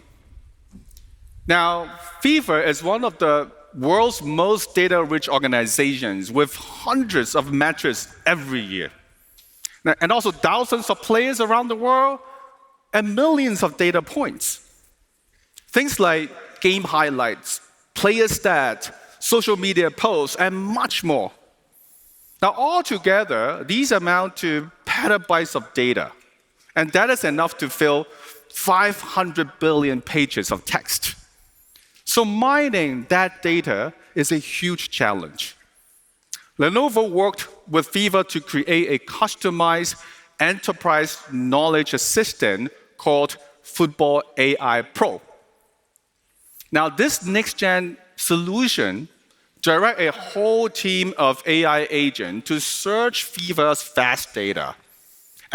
Now, FIFA is one of the world's most data-rich organizations with hundreds of matches every year, and also thousands of players around the world and millions of data points, things like game highlights, player stats, social media posts, and much more. Now, all together, these amount to petabytes of data. That is enough to fill 500 billion pages of text. So mining that data is a huge challenge. Lenovo worked with FIFA to create a customized enterprise knowledge assistant called Football AI Pro. Now, this next-gen solution directs a whole team of AI agents to search FIFA's fast data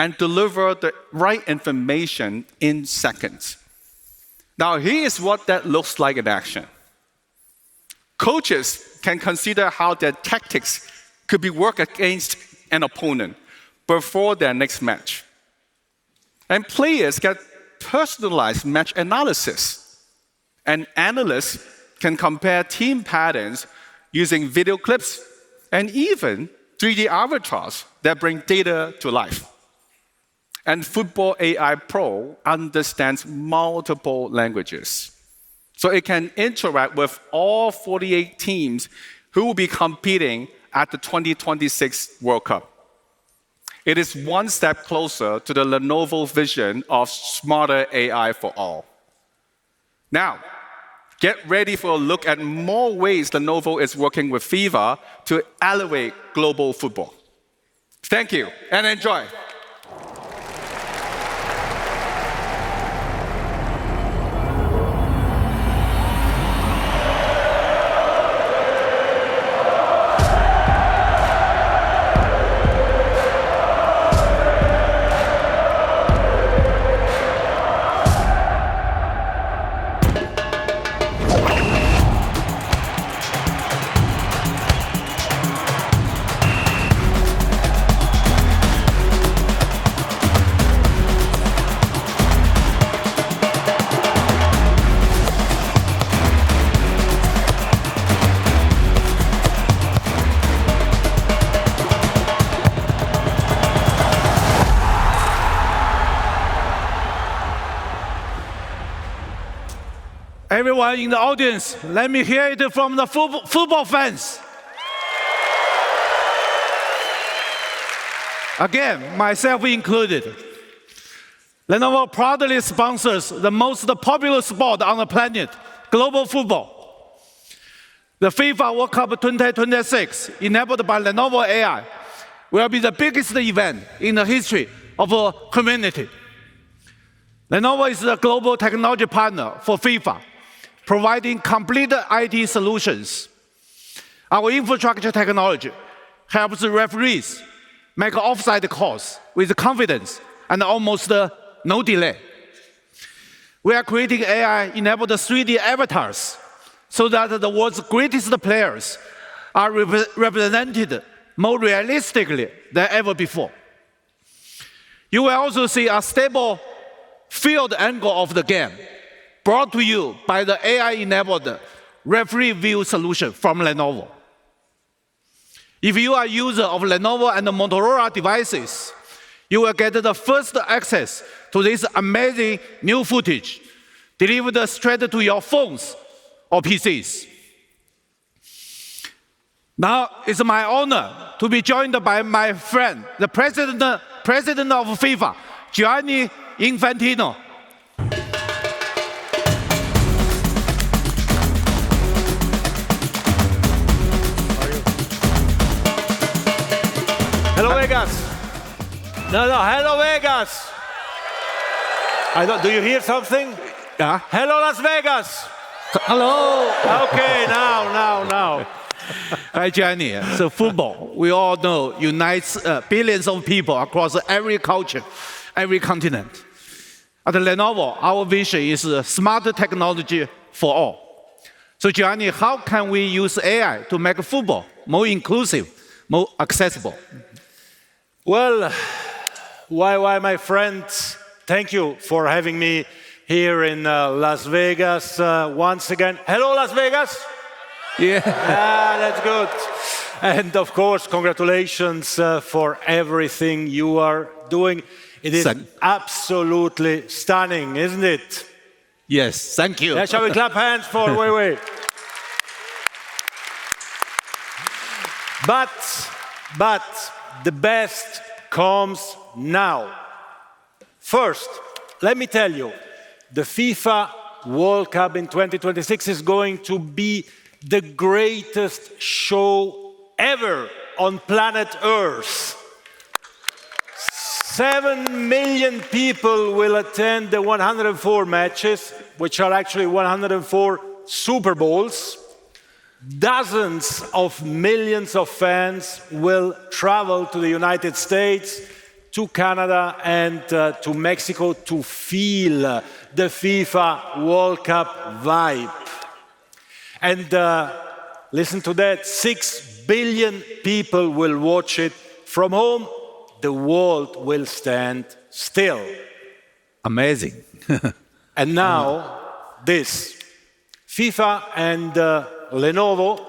and deliver the right information in seconds. Now, here's what that looks like in action. Coaches can consider how their tactics could be worked against an opponent before their next match. And players get personalized match analysis. And analysts can compare team patterns using video clips and even 3D avatars that bring data to life. And Football AI Pro understands multiple languages, so it can interact with all 48 teams who will be competing at the 2026 World Cup. It is one step closer to the Lenovo vision of smarter AI for all. Now, get ready for a look at more ways Lenovo is working with FIFA to elevate global football. Thank you and enjoy. Everyone in the audience, let me hear it from the football fans. Again, myself included. Lenovo proudly sponsors the most popular sport on the planet, global football. The FIFA World Cup 2026, enabled by Lenovo AI, will be the biggest event in the history of our community. Lenovo is a global technology partner for FIFA, providing complete IT solutions. Our infrastructure technology helps referees make offside calls with confidence and almost no delay. We are creating AI-enabled 3D avatars so that the world's greatest players are represented more realistically than ever before. You will also see a stable field angle of the game brought to you by the AI-enabled referee view solution from Lenovo. If you are a user of Lenovo and Motorola devices, you will get the first access to this amazing new footage delivered straight to your phones or PCs. Now, it's my honor to be joined by my friend, the President of FIFA, Gianni Infantino. Hello, Las Vegas. Hi, Gianni. So football, we all know, unites billions of people across every culture, every continent. At Lenovo, our vision is smarter technology for all. So, Gianni, how can we use AI to make football more inclusive, more accessible? Well, hi, my friend, thank you for having me here in Las Vegas once again. Hello, Las Vegas. Yeah, that's good. And of course, congratulations for everything you are doing. It is absolutely stunning, isn't it? Yes, thank you. Yeah, shall we clap hands for YY? But the best comes now. First, let me tell you, the FIFA World Cup in 2026 is going to be the greatest show ever on planet Earth. 7 million people will attend the 104 matches, which are actually 104 Super Bowls. Dozens of millions of fans will travel to the United States, to Canada, and to Mexico to feel the FIFA World Cup vibe. And listen to that, 6 billion people will watch it from home. The world will stand still. Amazing. And now this. FIFA and Lenovo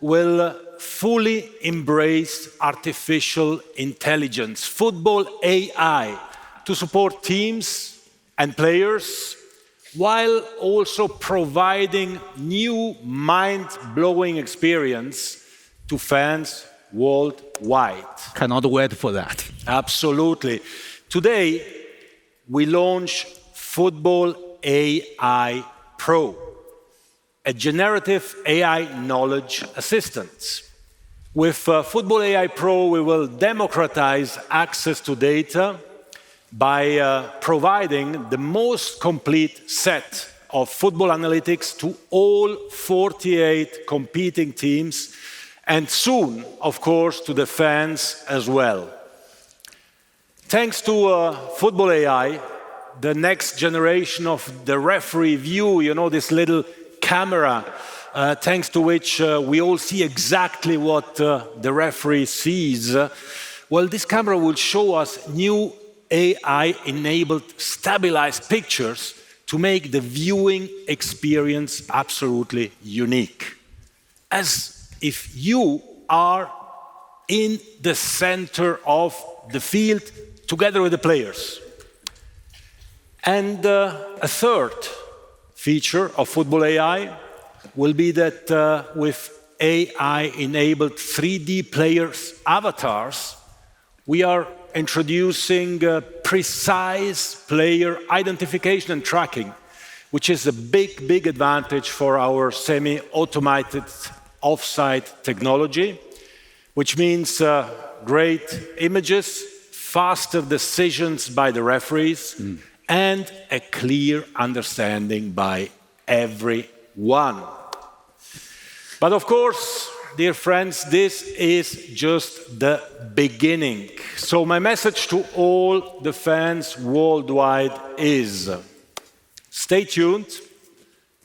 will fully embrace artificial intelligence, football AI, to support teams and players while also providing a new mind-blowing experience to fans worldwide. Cannot wait for that. Absolutely. Today, we launch Football AI Pro, a generative AI knowledge assistant. With Football AI Pro, we will democratize access to data by providing the most complete set of football analytics to all 48 competing teams and soon, of course, to the fans as well. Thanks to Football AI, the next generation of the referee view, you know, this little camera, thanks to which we all see exactly what the referee sees. Well, this camera will show us new AI-enabled stabilized pictures to make the viewing experience absolutely unique, as if you are in the center of the field together with the players. And a third feature of Football AI will be that with AI-enabled 3D player avatars, we are introducing precise player identification and tracking, which is a big, big advantage for our semi-automated offside technology, which means great images, faster decisions by the referees, and a clear understanding by everyone. But of course, dear friends, this is just the beginning. My message to all the fans worldwide is stay tuned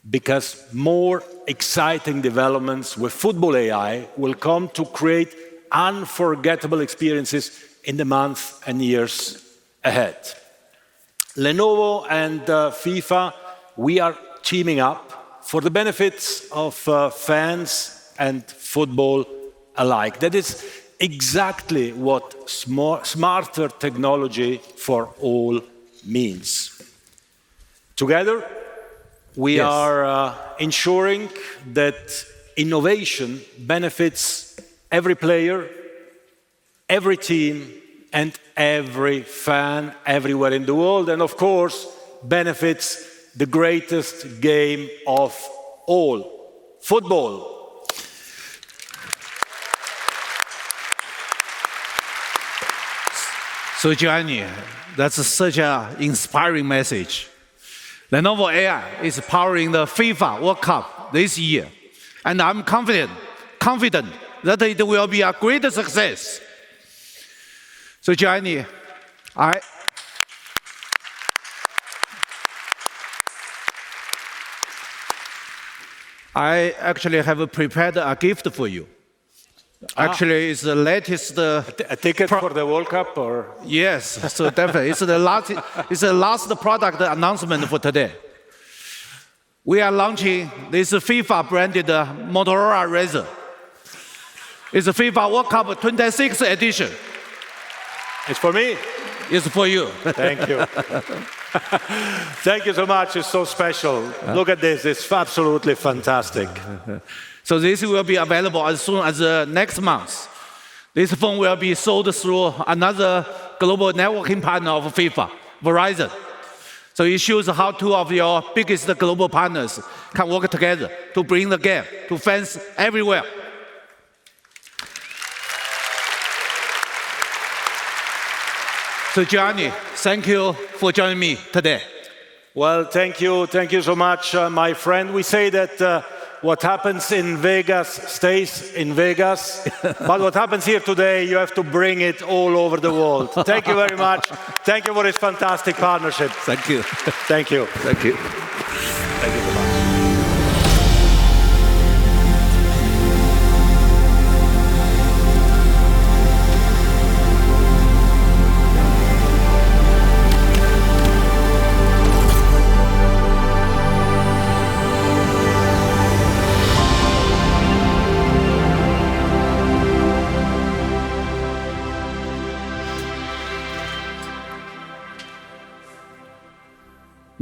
because more exciting developments with Football AI will come to create unforgettable experiences in the months and years ahead. Lenovo and FIFA, we are teaming up for the benefits of fans and football alike. That is exactly what smarter technology for all means. Together, we are ensuring that innovation benefits every player, every team, and every fan everywhere in the world, and of course, benefits the greatest game of all, football. Gianni, that's such an inspiring message. Lenovo AI is powering the FIFA World Cup this year, and I'm confident that it will be a great success. Gianni, I actually have prepared a gift for you. Actually, it's the latest ticket for the World Cup, or? Yes, so definitely. It's the last product announcement for today. We are launching this FIFA-branded Motorola Razr. It's the FIFA World Cup 26 edition. It's for me. It's for you. Thank you. Thank you so much. It's so special. Look at this. It's absolutely fantastic. So this will be available as soon as next month. This phone will be sold through another global networking partner of FIFA, Verizon. So it shows how two of your biggest global partners can work together to bring the game to fans everywhere, so, Gianni, thank you for joining me today. Well, thank you. Thank you so much, my friend. We say that what happens in Vegas stays in Vegas. But what happens here today, you have to bring it all over the world. Thank you very much. Thank you for this fantastic partnership. Thank you. Thank you.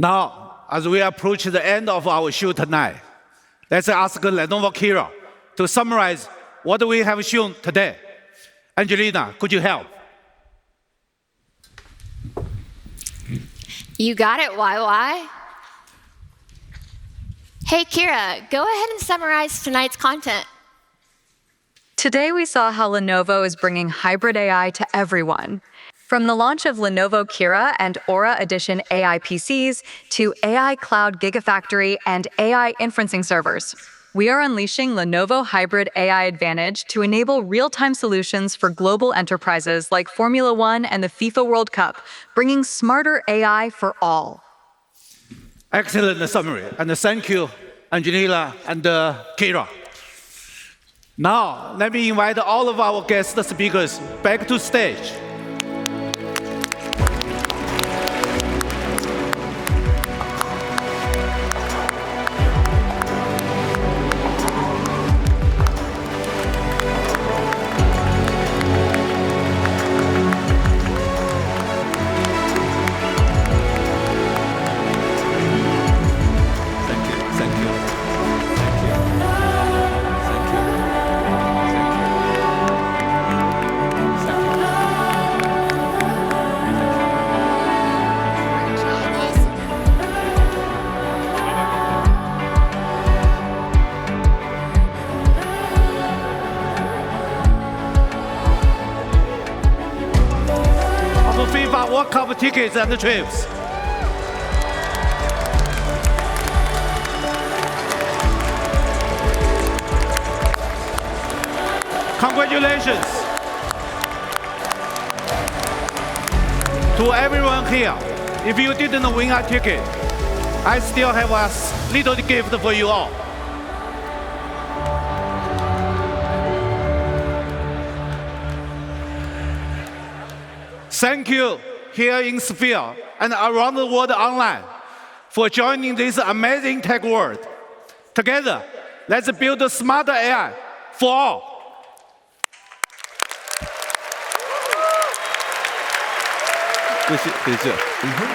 Thank you. Now, as we approach the end of our show tonight, let's ask Lenovo Qira to summarize what we have shown today. Angelina, could you help? You got it, YY. Hey, Qira, go ahead and summarize tonight's content. Today, we saw how Lenovo is bringing hybrid AI to everyone. From the launch of Lenovo Qira and Aura Edition AI PCs to AI Cloud Gigafactory and AI Inferencing Servers, we are unleashing Lenovo Hybrid AI Advantage to enable real-time solutions for global enterprises like Formula 1 and the FIFA World Cup, bringing smarter AI for all. Excellent summary and thank you, Angelina and Qira. Now, let me invite all of our guest speakers back to stage. Thank you. Thank you. Thank you. Thank you. Thank you. Thank you. Thank you. Our FIFA World Cup tickets and the trips. Congratulations to everyone here. If you didn't win a ticket, I still have a little gift for you all. Thank you here in Sphere and around the world online for joining this amazing Tech World. Together, let's build smarter AI for all.